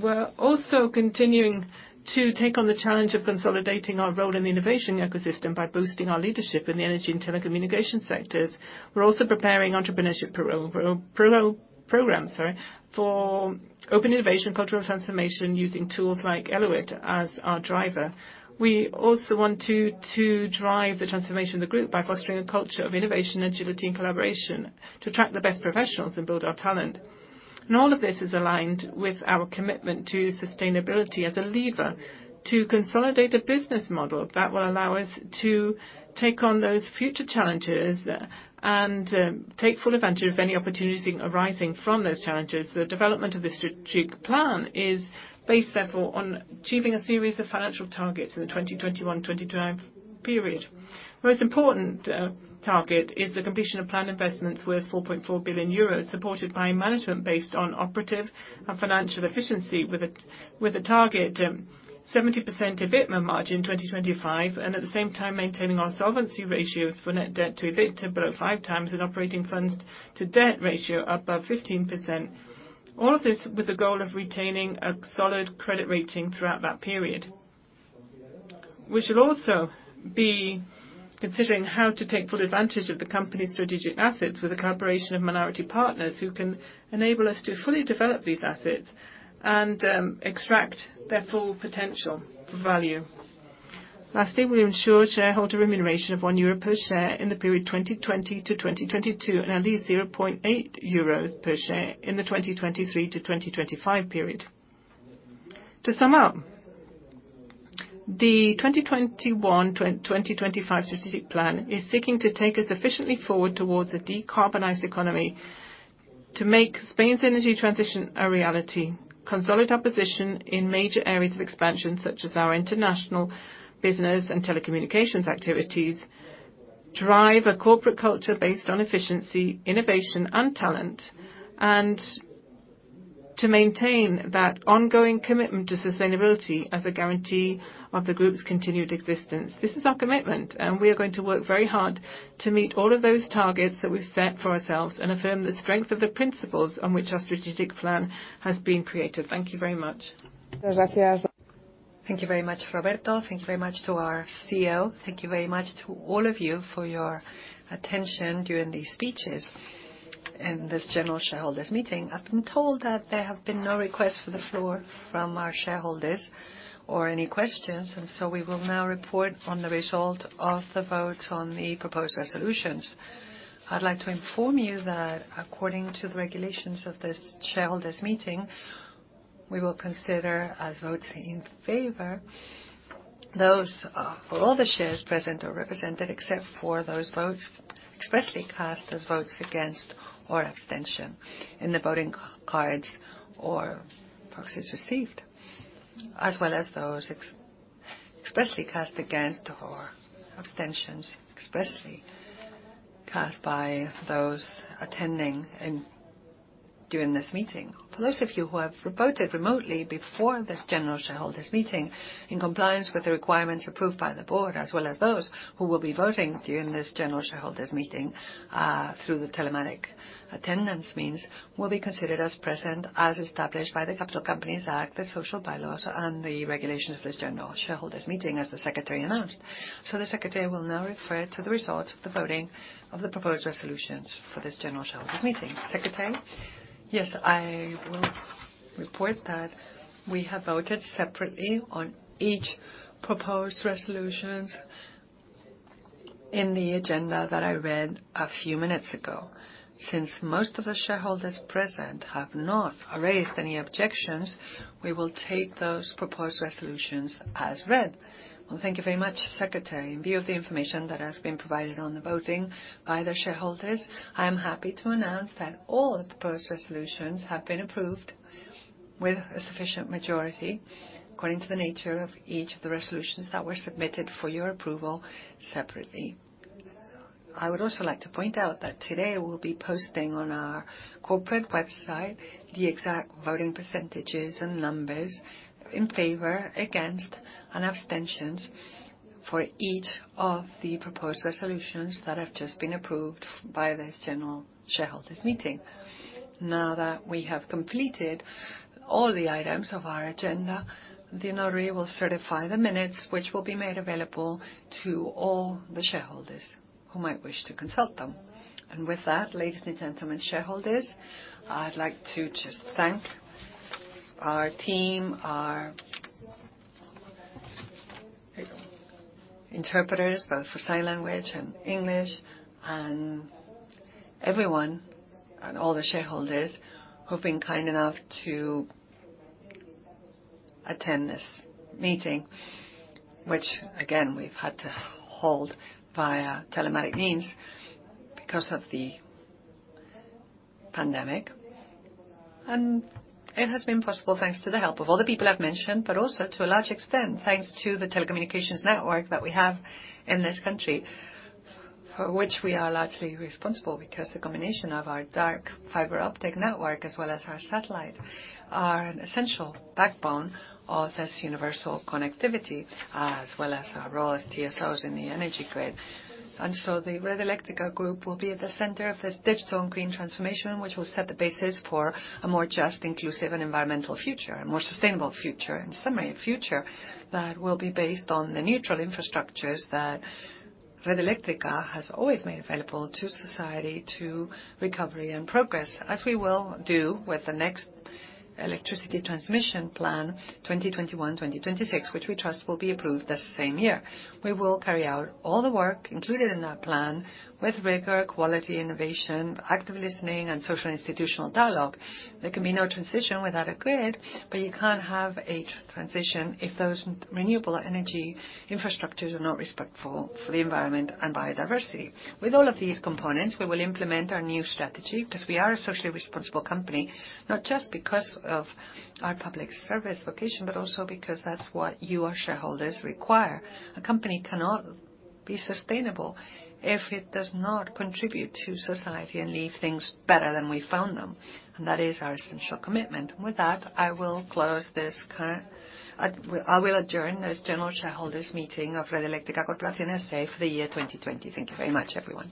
We're also continuing to take on the challenge of consolidating our role in the innovation ecosystem by boosting our leadership in the energy and telecommunication sectors. We're also preparing entrepreneurship programs, sorry, for open innovation and cultural transformation using tools like Elewit as our driver. We also want to drive the transformation of the group by fostering a culture of innovation, agility, and collaboration to attract the best professionals and build our talent. And all of this is aligned with our commitment to sustainability as a lever to consolidate a business model that will allow us to take on those future challenges and take full advantage of any opportunities arising from those challenges. The development of this strategic plan is based, therefore, on achieving a series of financial targets in the 2021-2025 period. The most important target is the completion of planned investments worth 4.4 billion euros, supported by management based on operative and financial efficiency, with a target 70% EBIT margin in 2025, and at the same time maintaining our solvency ratios for net debt to EBIT below 5 times and operating funds to debt ratio above 15%. All of this with the goal of retaining a solid credit rating throughout that period. We shall also be considering how to take full advantage of the company's strategic assets with a collaboration of minority partners who can enable us to fully develop these assets and extract their full potential for value. Lastly, we'll ensure shareholder remuneration of 1 euro per share in the period 2020 to 2022 and at least 0.8 euros per share in the 2023 to 2025 period. To sum up, the 2021-2025 Strategic Plan is seeking to take us efficiently forward towards a decarbonized economy to make Spain's energy transition a reality, consolidate our position in major areas of expansion such as our international business and telecommunications activities, drive a corporate culture based on efficiency, innovation, and talent, and to maintain that ongoing commitment to sustainability as a guarantee of the group's continued existence. This is our commitment, and we are going to work very hard to meet all of those targets that we've set for ourselves and affirm the strength of the principles on which our strategic plan has been created. Thank you very much. Muchas gracias. Thank you very much, Roberto. Thank you very much to our CEO. Thank you very much to all of you for your attention during these speeches in this General Shareholders' Meeting. I've been told that there have been no requests for the floor from our shareholders or any questions, and so we will now report on the result of the votes on the proposed resolutions. I'd like to inform you that according to the regulations of this shareholders meeting, we will consider as votes in favor those for all the shares present or represented except for those votes expressly cast as votes against or abstention in the voting cards or proxies received, as well as those expressly cast against or abstentions expressly cast by those attending during this meeting. For those of you who have voted remotely before this General Shareholders' Meeting in compliance with the requirements approved by the board, as well as those who will be voting during this General Shareholders' Meeting through the telematic attendance means, will be considered as present as established by the Capital Companies Act, the Social Bylaws, and the regulations of this General Shareholders' Meeting, as the secretary announced. So, the secretary will now refer to the results of the voting of the proposed resolutions for this General Shareholders' Meeting. Secretary, yes, I will report that we have voted separately on each proposed resolution in the agenda that I read a few minutes ago. Since most of the shareholders present have not raised any objections, we will take those proposed resolutions as read. Well, thank you very much, Secretary. In view of the information that has been provided on the voting by the shareholders, I am happy to announce that all the proposed resolutions have been approved with a sufficient majority according to the nature of each of the resolutions that were submitted for your approval separately. I would also like to point out that today we'll be posting on our corporate website the exact voting percentages and numbers in favor against and abstentions for each of the proposed resolutions that have just been approved by this General Shareholders' Meeting. Now that we have completed all the items of our agenda, the notary will certify the minutes, which will be made available to all the shareholders who might wish to consult them. And with that, ladies and gentlemen, shareholders, I'd like to just thank our team, our interpreters, both for sign language and English, and everyone and all the shareholders who've been kind enough to attend this meeting, which, again, we've had to hold via telematic means because of the pandemic. And it has been possible thanks to the help of all the people I've mentioned, but also to a large extent thanks to the telecommunications network that we have in this country, for which we are largely responsible because the combination of our dark fiber optic network as well as our satellite are an essential backbone of this universal connectivity, as well as our roles as TSOs in the energy grid. And so, the Red Eléctrica group will be at the center of this digital and green transformation, which will set the basis for a more just, inclusive, and environmental future, a more sustainable future. In summary, a future that will be based on the neutral infrastructures that Red Eléctrica has always made available to society to recovery and progress, as we will do with the next Electricity Transmission Plan, 2021-2026, which we trust will be approved this same year. We will carry out all the work included in that plan with rigor, quality, innovation, active listening, and social institutional dialogue. There can be no transition without a grid, but you can't have a transition if those renewable energy infrastructures are not respectful for the environment and biodiversity. With all of these components, we will implement our new strategy because we are a socially responsible company, not just because of our public service vocation, but also because that's what you, our shareholders, require. A company cannot be sustainable if it does not contribute to society and leave things better than we found them, and that is our essential commitment. With that, I will adjourn this General Shareholders' Meeting of Red Eléctrica Corporación S.A. for the year 2020. Thank you very much, everyone.